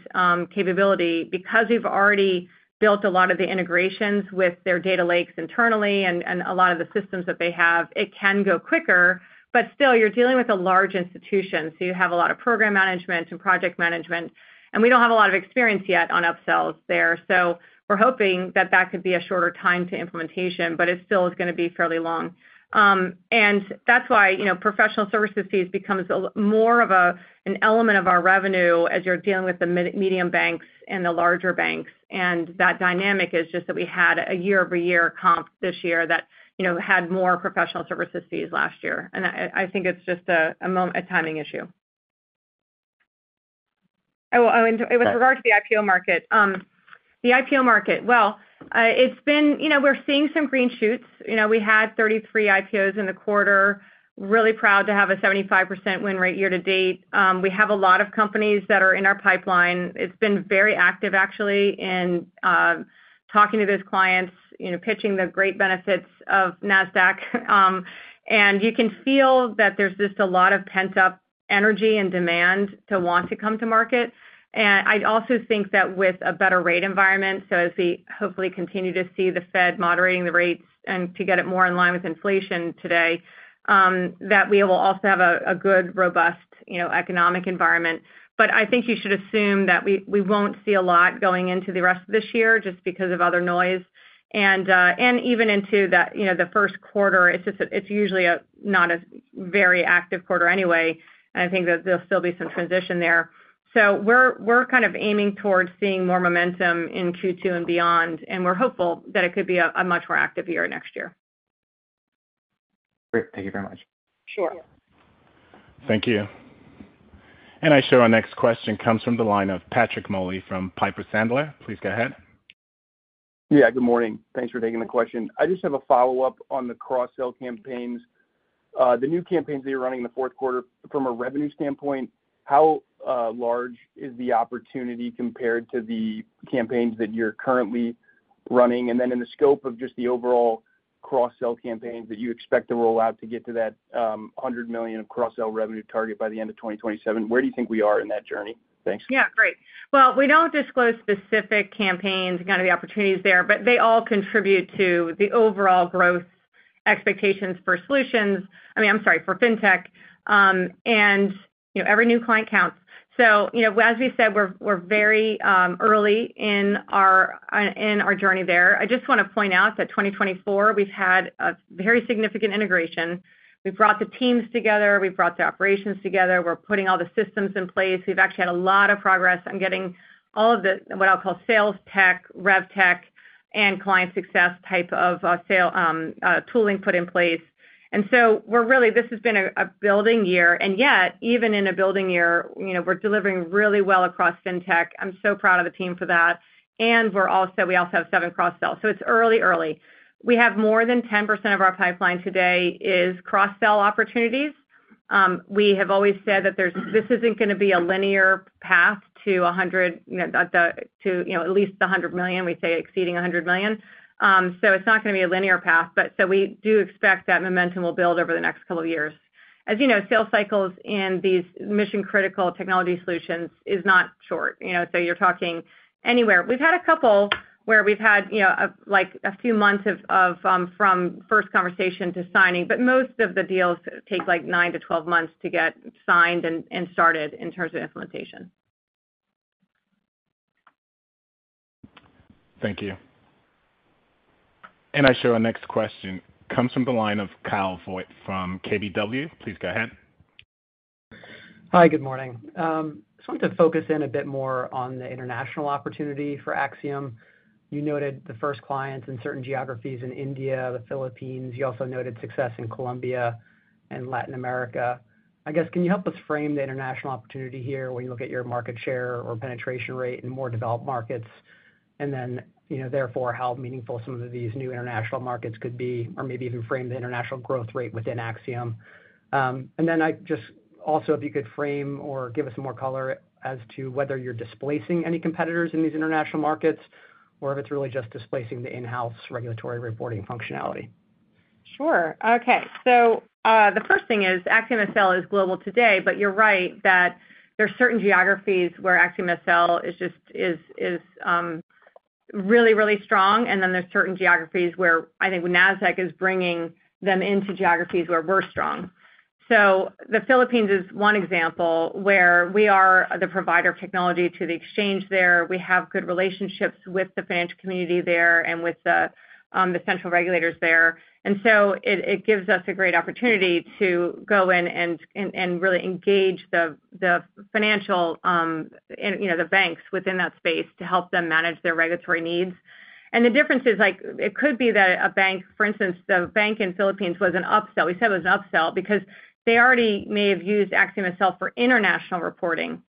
capability, because we've already built a lot of the integrations with their data lakes internally and a lot of the systems that they have, it can go quicker, but still, you're dealing with a large institution, so you have a lot of program management and project management, and we don't have a lot of experience yet on upsells there. We're hoping that could be a shorter time to implementation, but it still is gonna be fairly long. And that's why, you know, professional services fees becomes a little more of a, an element of our revenue as you're dealing with the medium banks and the larger banks, and that dynamic is just that we had a year-over-year comp this year that, you know, had more professional services fees last year. I think it's just a timing issue. Oh, and with regard to the IPO market, well, it's been, you know, we're seeing some green shoots. You know, we had 33 IPOs in the quarter, really proud to have a 75% win rate year to date. We have a lot of companies that are in our pipeline. It's been very active, actually, in talking to those clients, you know, pitching the great benefits of Nasdaq. You can feel that there's just a lot of pent-up energy and demand to want to come to market. I also think that with a better rate environment, so as we hopefully continue to see the Fed moderating the rates and to get it more in line with inflation today, that we will also have a good, robust, you know, economic environment, but I think you should assume that we won't see a lot going into the rest of this year just because of other noise, and even into the first quarter, it's just usually not a very active quarter anyway, and I think that there'll still be some transition there. We're kind of aiming towards seeing more momentum in Q2 and beyond, and we're hopeful that it could be a much more active year next year. Great. Thank you very much. Sure. Thank you. And I show our next question comes from the line of Patrick Moley from Piper Sandler. Please go ahead. Yeah, good morning. Thanks for taking the question. I just have a follow-up on the cross-sell campaigns. The new campaigns that you're running in the fourth quarter, from a revenue standpoint, how large is the opportunity compared to the campaigns that you're currently running? And then in the scope of just the overall cross-sell campaigns that you expect to roll out to get to that $100 million cross-sell revenue target by the end of 2027, where do you think we are in that journey? Thanks. Yeah, great. Well, we don't disclose specific campaigns and kind of the opportunities there, but they all contribute to the overall growth expectations for solutions. I mean, I'm sorry, for Fintech. And, you know, every new client counts. So, you know, as we said, we're very early in our journey there. I just wanna point out that 2024, we've had a very significant integration. We've brought the teams together, we've brought the operations together, we're putting all the systems in place. We've actually had a lot of progress on getting all of the, what I'll call sales tech, rev tech, and client success type of sale tooling put in place. And so we're really, this has been a building year, and yet, even in a building year, you know, we're delivering really well across Fintech. I'm so proud of the team for that. We're also. We also have seven cross-sells. So it's early. We have more than 10% of our pipeline today is cross-sell opportunities. We have always said that there's this isn't gonna be a linear path to a hundred, you know, to, you know, at least a hundred million, we say exceeding a hundred million. So it's not gonna be a linear path, but so we do expect that momentum will build over the next couple of years. As you know, sales cycles in these mission-critical technology solutions is not short, you know, so you're talking anywhere. We've had a couple where, you know, like a few months from first conversation to signing, but most of the deals take, like, nine to 12 months to get signed and started in terms of implementation. Thank you. And I show our next question comes from the line of Kyle Voigt from KBW. Please go ahead. Hi, good morning. Just wanted to focus in a bit more on the international opportunity for Axiom. You noted the first clients in certain geographies in India, the Philippines. You also noted success in Colombia and Latin America. I guess, can you help us frame the international opportunity here when you look at your market share or penetration rate in more developed markets? And then, you know, therefore, how meaningful some of these new international markets could be, or maybe even frame the international growth rate within Axiom. And then I just also, if you could frame or give us some more color as to whether you're displacing any competitors in these international markets, or if it's really just displacing the in-house regulatory reporting functionality. Sure. Okay. So, the first thing is, AxiomSL is global today, but you're right that there are certain geographies where AxiomSL is just is really, really strong, and then there's certain geographies where I think Nasdaq is bringing them into geographies where we're strong. So the Philippines is one example where we are the provider of technology to the exchange there. We have good relationships with the financial community there and with the central regulators there. And so it gives us a great opportunity to go in and really engage the financial, and, you know, the banks within that space to help them manage their regulatory needs. And the difference is, like, it could be that a bank, for instance, the bank in Philippines was an upsell. We said it was an upsell because they already may have used AxiomSL for international reporting,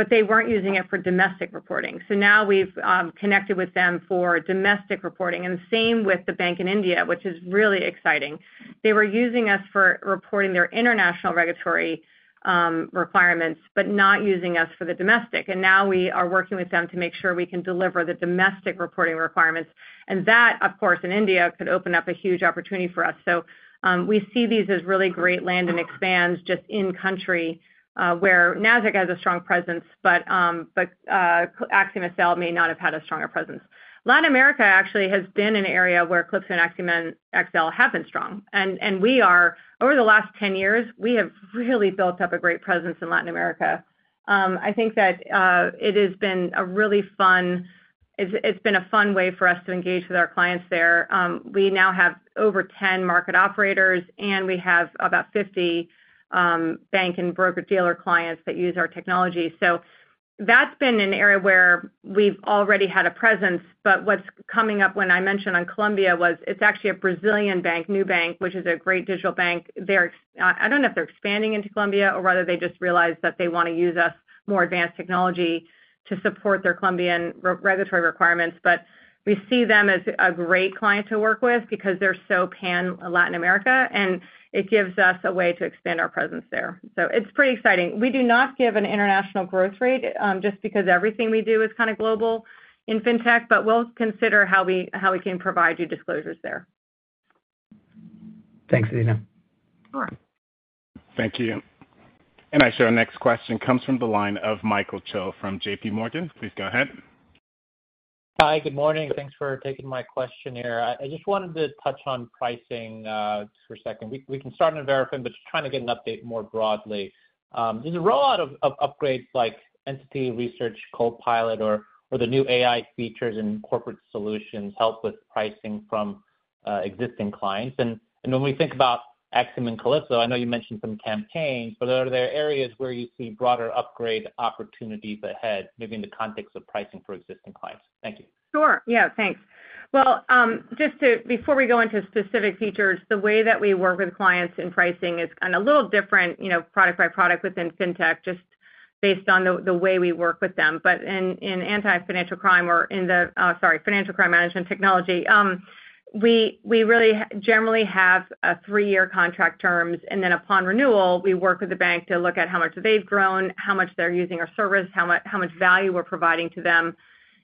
but they weren't using it for domestic reporting, so now we've connected with them for domestic reporting, and the same with the bank in India, which is really exciting. They were using us for reporting their international regulatory requirements, but not using us for the domestic, and now we are working with them to make sure we can deliver the domestic reporting requirements, and that, of course, in India, could open up a huge opportunity for us, so we see these as really great land and expand just in country where Nasdaq has a strong presence, but AxiomSL may not have had a stronger presence. Latin America actually has been an area where Calypso and AxiomSL have been strong, and over the last 10 years, we have really built up a great presence in Latin America. I think that it has been a really fun. It's been a fun way for us to engage with our clients there. We now have over 10 market operators, and we have about 50 bank and broker-dealer clients that use our technology. So that's been an area where we've already had a presence, but what's coming up when I mentioned on Colombia was it's actually a Brazilian bank, Nubank, which is a great digital bank. They're, I don't know if they're expanding into Colombia or whether they just realized that they wanna use us more advanced technology to support their Colombian regulatory requirements. But we see them as a great client to work with because they're so pan-Latin America, and it gives us a way to expand our presence there. So it's pretty exciting. We do not give an international growth rate, just because everything we do is kind of global in Fintech, but we'll consider how we can provide you disclosures there. Thanks, Adena. Sure. Thank you. Our next question comes from the line of Michael Cho from JP Morgan. Please go ahead. Hi, good morning. Thanks for taking my question here. I just wanted to touch on pricing for a second. We can start in Verafin, but just trying to get an update more broadly. Did the rollout of upgrades like Entity Research Copilot, or the new AI features and Corporate Solutions help with pricing from existing clients? And when we think about AxiomSL and Calypso, I know you mentioned some campaigns, but are there areas where you see broader upgrade opportunities ahead, maybe in the context of pricing for existing clients? Thank you. Sure. Yeah, thanks. Well, just to before we go into specific features, the way that we work with clients in pricing is kind of a little different, you know, product by product within Fintech, just based on the way we work with them. But in anti-financial crime or in the, sorry, Financial Crime Management Technology, we really generally have a three-year contract terms, and then upon renewal, we work with the bank to look at how much they've grown, how much they're using our service, how much value we're providing to them,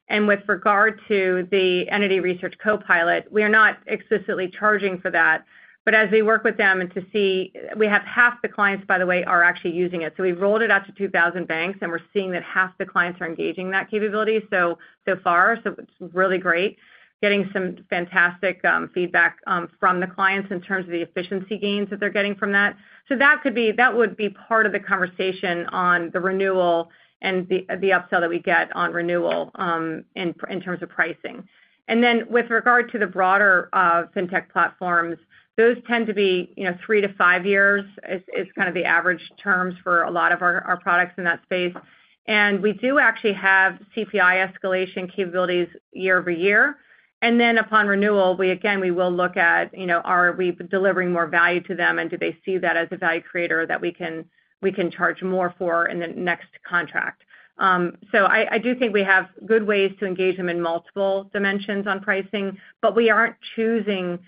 and with regard to the Entity Research Copilot, we are not explicitly charging for that. But as we work with them and to see, we have half the clients, by the way, are actually using it. So we've rolled it out to two thousand banks, and we're seeing that half the clients are engaging that capability so far, so it's really great. Getting some fantastic feedback from the clients in terms of the efficiency gains that they're getting from that. So that could be, that would be part of the conversation on the renewal and the upsell that we get on renewal in terms of pricing. And then with regard to the broader Fintech platforms, those tend to be, you know, three to five years is kind of the average terms for a lot of our products in that space. And we do actually have CPI escalation capabilities year-over-year. And then upon renewal, we again will look at, you know, are we delivering more value to them, and do they see that as a value creator that we can charge more for in the next contract? So I do think we have good ways to engage them in multiple dimensions on pricing, but we aren't choosing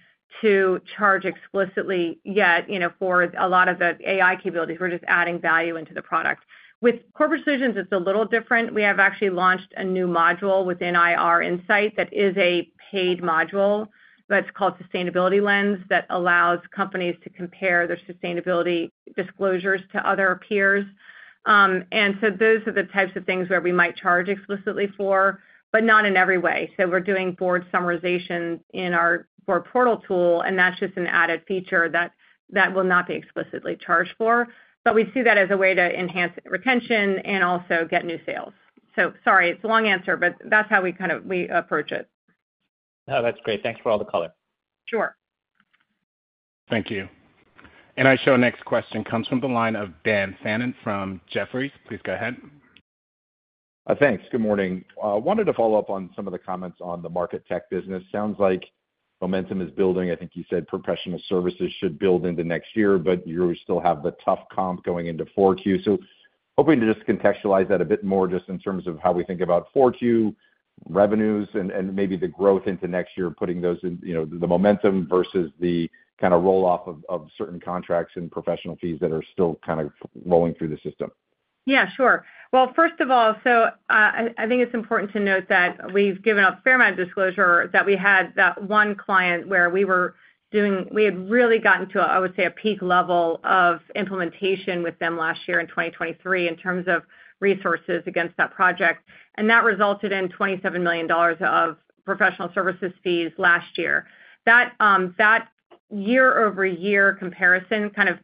to charge explicitly yet, you know, for a lot of the AI capabilities. We're just adding value into the product. With Corporate Solutions, it's a little different. We have actually launched a new module within IR Insight that is a paid module, but it's called Sustainability Lens, that allows companies to compare their sustainability disclosures to other peers. And so those are the types of things where we might charge explicitly for, but not in every way. So we're doing board summarization in our board portal tool, and that's just an added feature that will not be explicitly charged for. But we see that as a way to enhance retention and also get new sales. So sorry, it's a long answer, but that's how we kind of approach it. No, that's great. Thanks for all the color. Sure. Thank you. I show our next question comes from the line of Dan Fannon from Jefferies. Please go ahead. Thanks. Good morning. Wanted to follow up on some of the comments on the Market Tech business. Sounds like momentum is building. I think you said professional services should build into next year, but you still have the tough comp going into 4Q. So hoping to just contextualize that a bit more just in terms of how we think about 4Q revenues and, and maybe the growth into next year, putting those in, you know, the momentum versus the kind of roll-off of, of certain contracts and professional fees that are still kind of rolling through the system. Yeah, sure. Well, first of all, so, I think it's important to note that we've given a fair amount of disclosure, that we had that one client where we had really gotten to, I would say, a peak level of implementation with them last year in 2023, in terms of resources against that project, and that resulted in $27 million of professional services fees last year. That year-over-year comparison kind of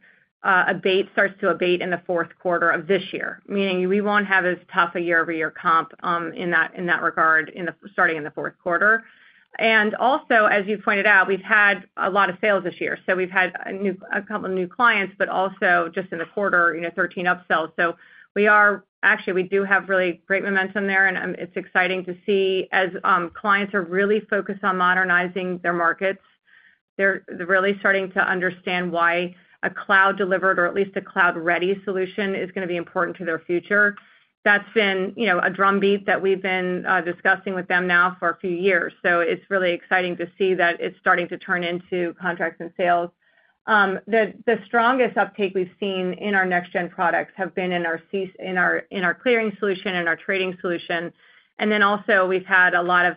starts to abate in the fourth quarter of this year, meaning we won't have as tough a year-over-year comp in that regard, starting in the fourth quarter. And also, as you pointed out, we've had a lot of sales this year, so we've had a couple of new clients, but also just in the quarter, you know, 13 upsells. So we are actually, we do have really great momentum there, and it's exciting to see as clients are really focused on modernizing their markets. They're really starting to understand why a cloud-delivered, or at least a cloud-ready solution, is gonna be important to their future. That's been, you know, a drumbeat that we've been discussing with them now for a few years, so it's really exciting to see that it's starting to turn into contracts and sales. The strongest uptake we've seen in our next gen products have been in our clearing solution and our trading solution. And then also, we've had a lot of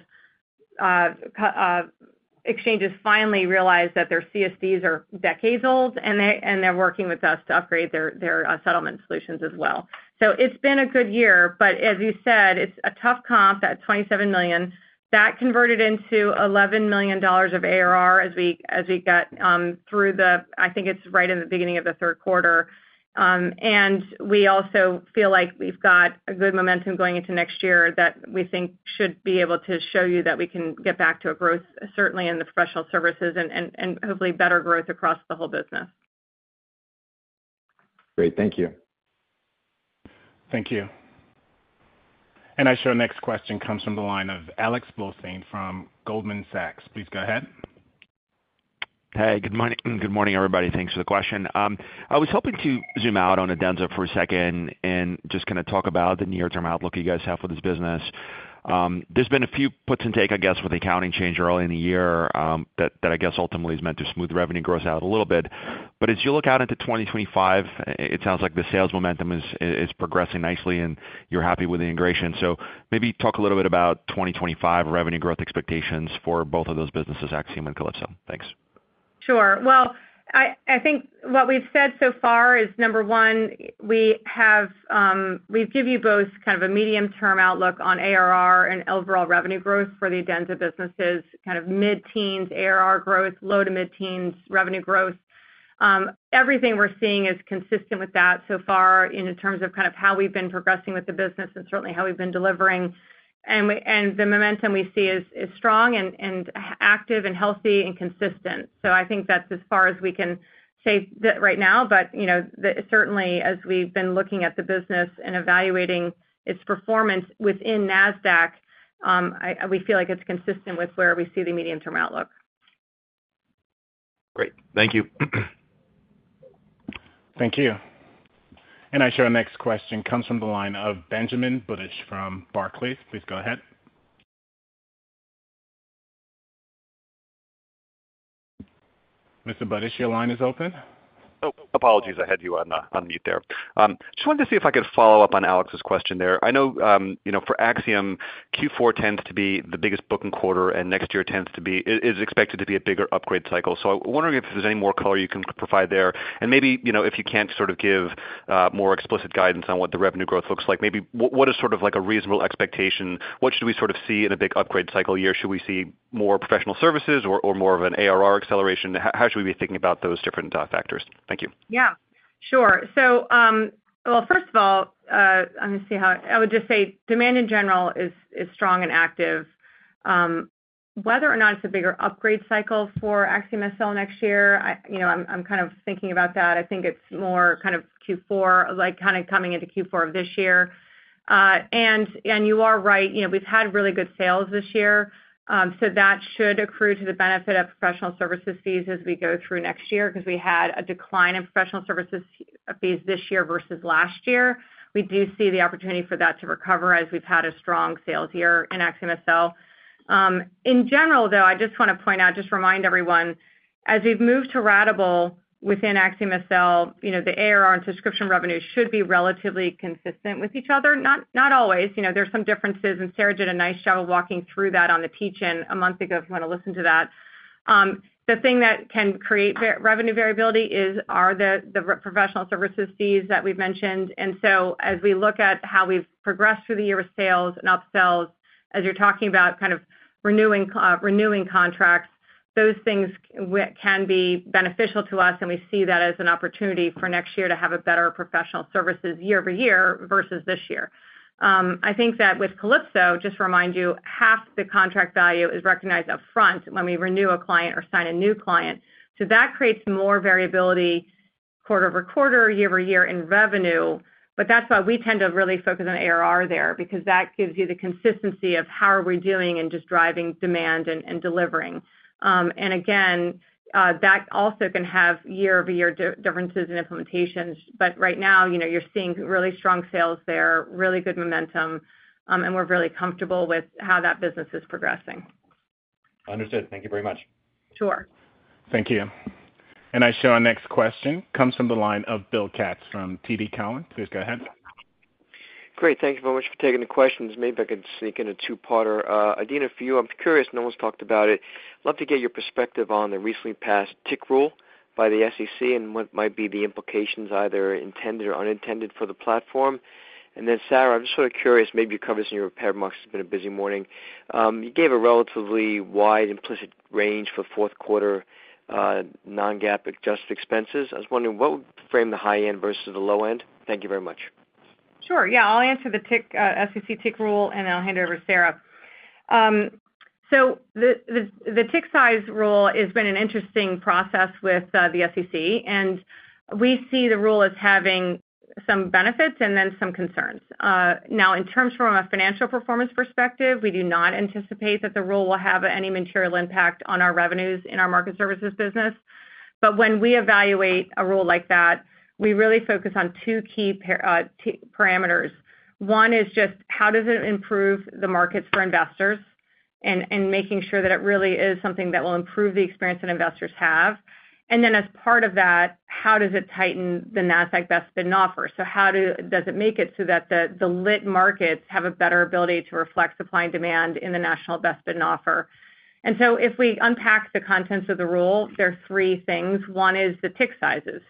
exchanges finally realize that their CSDs are decades old, and they're working with us to upgrade their settlement solutions as well. So it's been a good year, but as you said, it's a tough comp, that $27 million. That converted into $11 million of ARR as we got through the beginning of the third quarter. We also feel like we've got a good momentum going into next year that we think should be able to show you that we can get back to a growth, certainly in the professional services and hopefully better growth across the whole business. Great. Thank you. Thank you. And our next question comes from the line of Alex Blostein from Goldman Sachs. Please go ahead. Hey, good morning. Good morning, everybody. Thanks for the question. I was hoping to zoom out on Adenza for a second and just kind of talk about the near-term outlook you guys have for this business. There's been a few puts and takes, I guess, with the accounting change early in the year, that I guess ultimately is meant to smooth the revenue growth out a little bit. But as you look out into 2025, it sounds like the sales momentum is progressing nicely, and you're happy with the integration. So maybe talk a little bit about 2025 revenue growth expectations for both of those businesses, AxiomSL and Calypso. Thanks. Sure, well, I think what we've said so far is, number one, we've given you both kind of a medium-term outlook on ARR and overall revenue growth for the Adenza businesses, kind of mid-teens ARR growth, low to mid-teens revenue growth. Everything we're seeing is consistent with that so far in terms of kind of how we've been progressing with the business and certainly how we've been delivering, and the momentum we see is strong and active and healthy and consistent. So I think that's as far as we can say that right now, but you know, certainly as we've been looking at the business and evaluating its performance within Nasdaq, we feel like it's consistent with where we see the medium-term outlook. Great. Thank you. Thank you. And I show our next question comes from the line of Benjamin Budish from Barclays. Please go ahead. Mr. Budish, your line is open. Oh, apologies, I had you on, on mute there. Just wanted to see if I could follow up on Alex's question there. I know, you know, for Axiom, Q4 tends to be the biggest booking quarter, and next year tends to be- is expected to be a bigger upgrade cycle. So I'm wondering if there's any more color you can provide there. And maybe, you know, if you can't sort of give, more explicit guidance on what the revenue growth looks like, maybe what is sort of like a reasonable expectation? What should we sort of see in a big upgrade cycle year? Should we see more professional services or more of an ARR acceleration? How should we be thinking about those different, factors? Thank you. Yeah, sure. So, first of all, let me see how... I would just say demand in general is strong and active. Whether or not it's a bigger upgrade cycle for AxiomSL next year, I, you know, I'm kind of thinking about that. I think it's more kind of Q4, like, kind of coming into Q4 of this year. And you are right, you know, we've had really good sales this year, so that should accrue to the benefit of professional services fees as we go through next year because we had a decline in professional services fees this year versus last year. We do see the opportunity for that to recover as we've had a strong sales year in AxiomSL. In general, though, I just want to point out, just remind everyone, as we've moved to ratable within AxiomSL, you know, the ARR and subscription revenue should be relatively consistent with each other. Not, not always, you know, there's some differences, and Sarah did a nice job of walking through that on the teach-in a month ago, if you want to listen to that. The thing that can create revenue variability is, are the, the professional services fees that we've mentioned. And so as we look at how we've progressed through the year with sales and upsells, as you're talking about kind of renewing renewing contracts, those things can be beneficial to us, and we see that as an opportunity for next year to have a better professional services year-over-year versus this year. I think that with Calypso, just to remind you, half the contract value is recognized upfront when we renew a client or sign a new client. So that creates more variability quarter over quarter, year-over-year in revenue. But that's why we tend to really focus on ARR there, because that gives you the consistency of how are we doing in just driving demand and delivering. And again, that also can have year-over-year differences in implementations. But right now, you know, you're seeing really strong sales there, really good momentum, and we're really comfortable with how that business is progressing. Understood. Thank you very much. Sure. Thank you. I show our next question comes from the line of Bill Katz from TD Cowen. Please go ahead. Great. Thank you very much for taking the questions. Maybe I could sneak in a two-parter. Adena, for you, I'm curious, no one's talked about it. Love to get your perspective on the recently passed tick rule by the SEC and what might be the implications, either intended or unintended, for the platform. And then, Sarah, I'm just sort of curious, maybe you covered this in your remarks, it's been a busy morning. You gave a relatively wide implicit range for fourth quarter non-GAAP adjusted expenses. I was wondering, what would frame the high end versus the low end? Thank you very much. Sure. Yeah, I'll answer the SEC Tick Size Rule, and I'll hand it over to Sarah. So the Tick Size Rule has been an interesting process with the SEC, and we see the rule as having some benefits and then some concerns. Now, in terms from a financial performance perspective, we do not anticipate that the rule will have any material impact on our revenues in our Market Services business. But when we evaluate a rule like that, we really focus on two key parameters. One is just how does it improve the markets for investors and making sure that it really is something that will improve the experience that investors have. And then as part of that, how does it tighten the Nasdaq Best Bid and Offer? So how does it make it so that the lit markets have a better ability to reflect supply and demand in the National Best Bid and Offer? And so if we unpack the contents of the rule, there are three things. One is the tick sizes.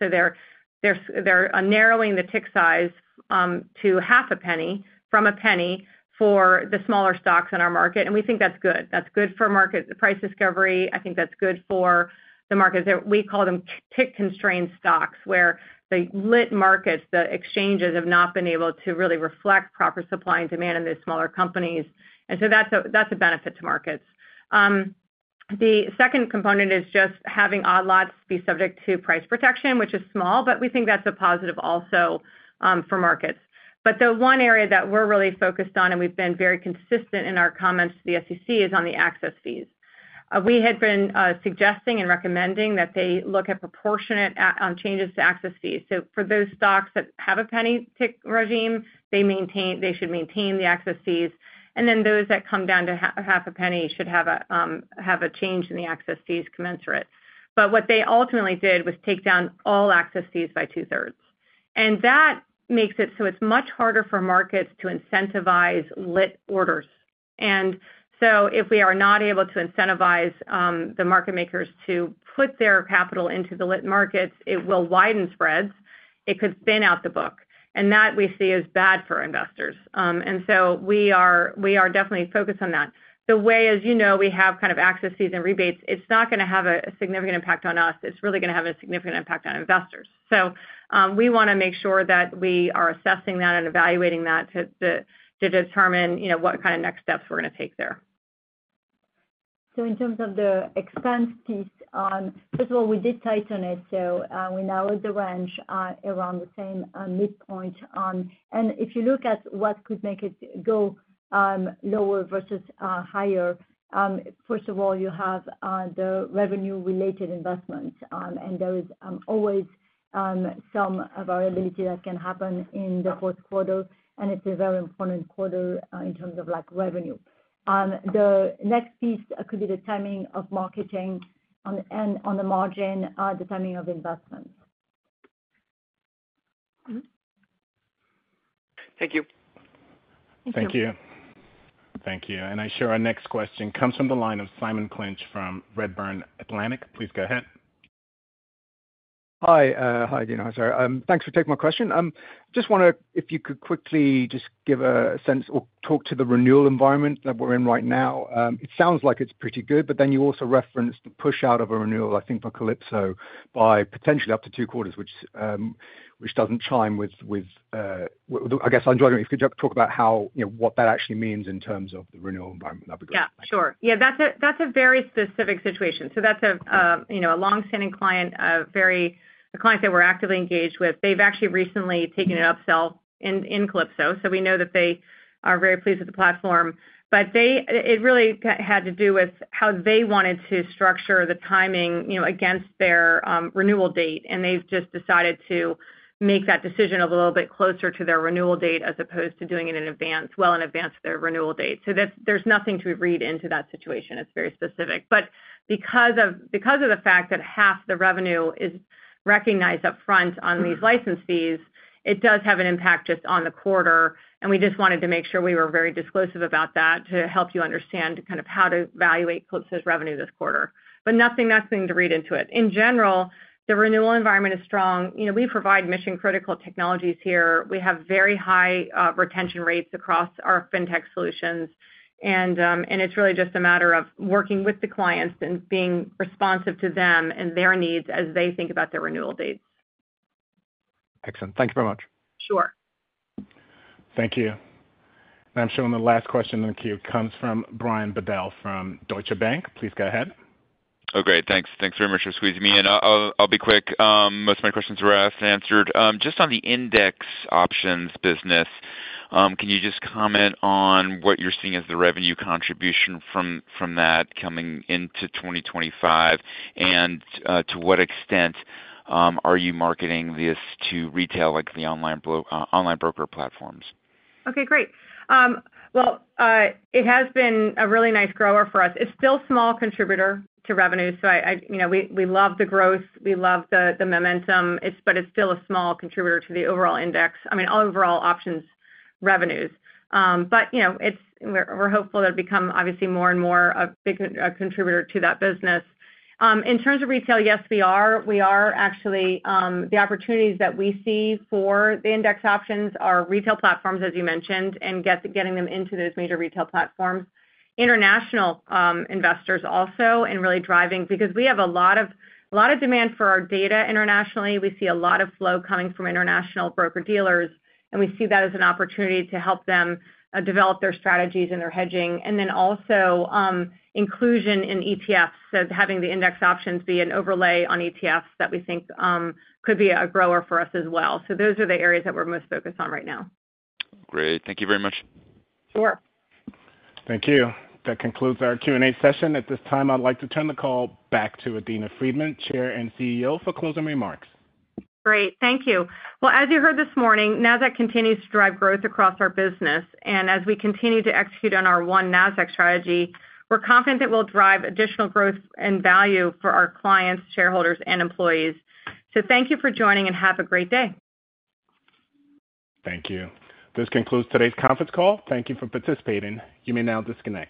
So they're narrowing the tick size to half a penny from a penny for the smaller stocks in our market, and we think that's good. That's good for market price discovery. I think that's good for the markets that we call tick-constrained stocks, where the lit markets, the exchanges, have not been able to really reflect proper supply and demand in these smaller companies. And so that's a benefit to markets. The second component is just having odd lots be subject to price protection, which is small, but we think that's a positive also for markets. But the one area that we're really focused on, and we've been very consistent in our comments to the SEC, is on the access fees. We had been suggesting and recommending that they look at proportionate changes to access fees. So for those stocks that have a penny tick regime, they should maintain the access fees, and then those that come down to half a penny should have a change in the access fees commensurate. But what they ultimately did was take down all access fees by two-thirds, and that makes it so it's much harder for markets to incentivize lit orders. And so if we are not able to incentivize the market makers to put their capital into the lit markets, it will widen spreads. It could thin out the book, and that we see as bad for investors. And so we are definitely focused on that. The way, as you know, we have kind of access fees and rebates, it's not gonna have a significant impact on us. It's really gonna have a significant impact on investors. So we wanna make sure that we are assessing that and evaluating that to determine, you know, what kind of next steps we're gonna take there. In terms of the expense piece, first of all, we did tighten it, so we narrowed the range around the same midpoint. If you look at what could make it go lower versus higher, first of all, you have the revenue-related investments, and there is always some variability that can happen in the fourth quarter, and it's a very important quarter in terms of like revenue. The next piece could be the timing of marketing on and on the margin, the timing of investments. Thank you. Thank you. Thank you. And our next question comes from the line of Simon Clinch from Redburn Atlantic. Please go ahead. Hi, hi, Adena. Sorry, thanks for taking my question. Just wonder if you could quickly just give a sense or talk to the renewal environment that we're in right now. It sounds like it's pretty good, but then you also referenced the push out of a renewal, I think, for Calypso, by potentially up to two quarters, which doesn't chime with, with... I guess I'm wondering, could you talk about how, you know, what that actually means in terms of the renewal environment? That'd be great. Yeah, sure. Yeah, that's a very specific situation. So that's a long-standing client, a client that we're actively engaged with. They've actually recently taken an upsell in Calypso, so we know that they are very pleased with the platform. But it really had to do with how they wanted to structure the timing, you know, against their renewal date, and they've just decided to make that decision a little bit closer to their renewal date, as opposed to doing it in advance, well in advance of their renewal date. So there's nothing to read into that situation. It's very specific. But because of the fact that half the revenue is recognized upfront on these license fees, it does have an impact just on the quarter, and we just wanted to make sure we were very disclosive about that to help you understand kind of how to evaluate Calypso's revenue this quarter. But nothing, nothing to read into it. In general, the renewal environment is strong. You know, we provide mission-critical technologies here. We have very high retention rates across our Fintech solutions, and it's really just a matter of working with the clients and being responsive to them and their needs as they think about their renewal dates. Excellent. Thank you very much. Sure. Thank you. And I'm showing the last question in the queue comes from Brian Bedell from Deutsche Bank. Please go ahead. Oh, great, thanks. Thanks very much for squeezing me in. I'll be quick. Most of my questions were asked and answered. Just on the Index options business, can you just comment on what you're seeing as the revenue contribution from that coming into 2025, and to what extent are you marketing this to retail, like the online broker platforms? Okay, great. Well, it has been a really nice grower for us. It's still small contributor to revenue, so I, you know, we love the growth, we love the momentum. It's but it's still a small contributor to the overall Index. I mean, overall options revenues. But, you know, it's, we're hopeful it'll become, obviously, more and more a big contributor to that business. In terms of retail, yes, we are. We are actually the opportunities that we see for the Index options are retail platforms, as you mentioned, and getting them into those major retail platforms. International investors also, and really driving, because we have a lot of demand for our data internationally. We see a lot of flow coming from international broker-dealers, and we see that as an opportunity to help them, develop their strategies and their hedging, and then also, inclusion in ETFs, so having the Index options be an overlay on ETFs that we think, could be a grower for us as well, so those are the areas that we're most focused on right now. Great. Thank you very much. Sure. Thank you. That concludes our Q&A session. At this time, I'd like to turn the call back to Adena Friedman, Chair and CEO, for closing remarks. Great, thank you. Well, as you heard this morning, Nasdaq continues to drive growth across our business, and as we continue to execute on our One Nasdaq strategy, we're confident that we'll drive additional growth and value for our clients, shareholders, and employees. So thank you for joining, and have a great day. Thank you. This concludes today's conference call. Thank you for participating. You may now disconnect.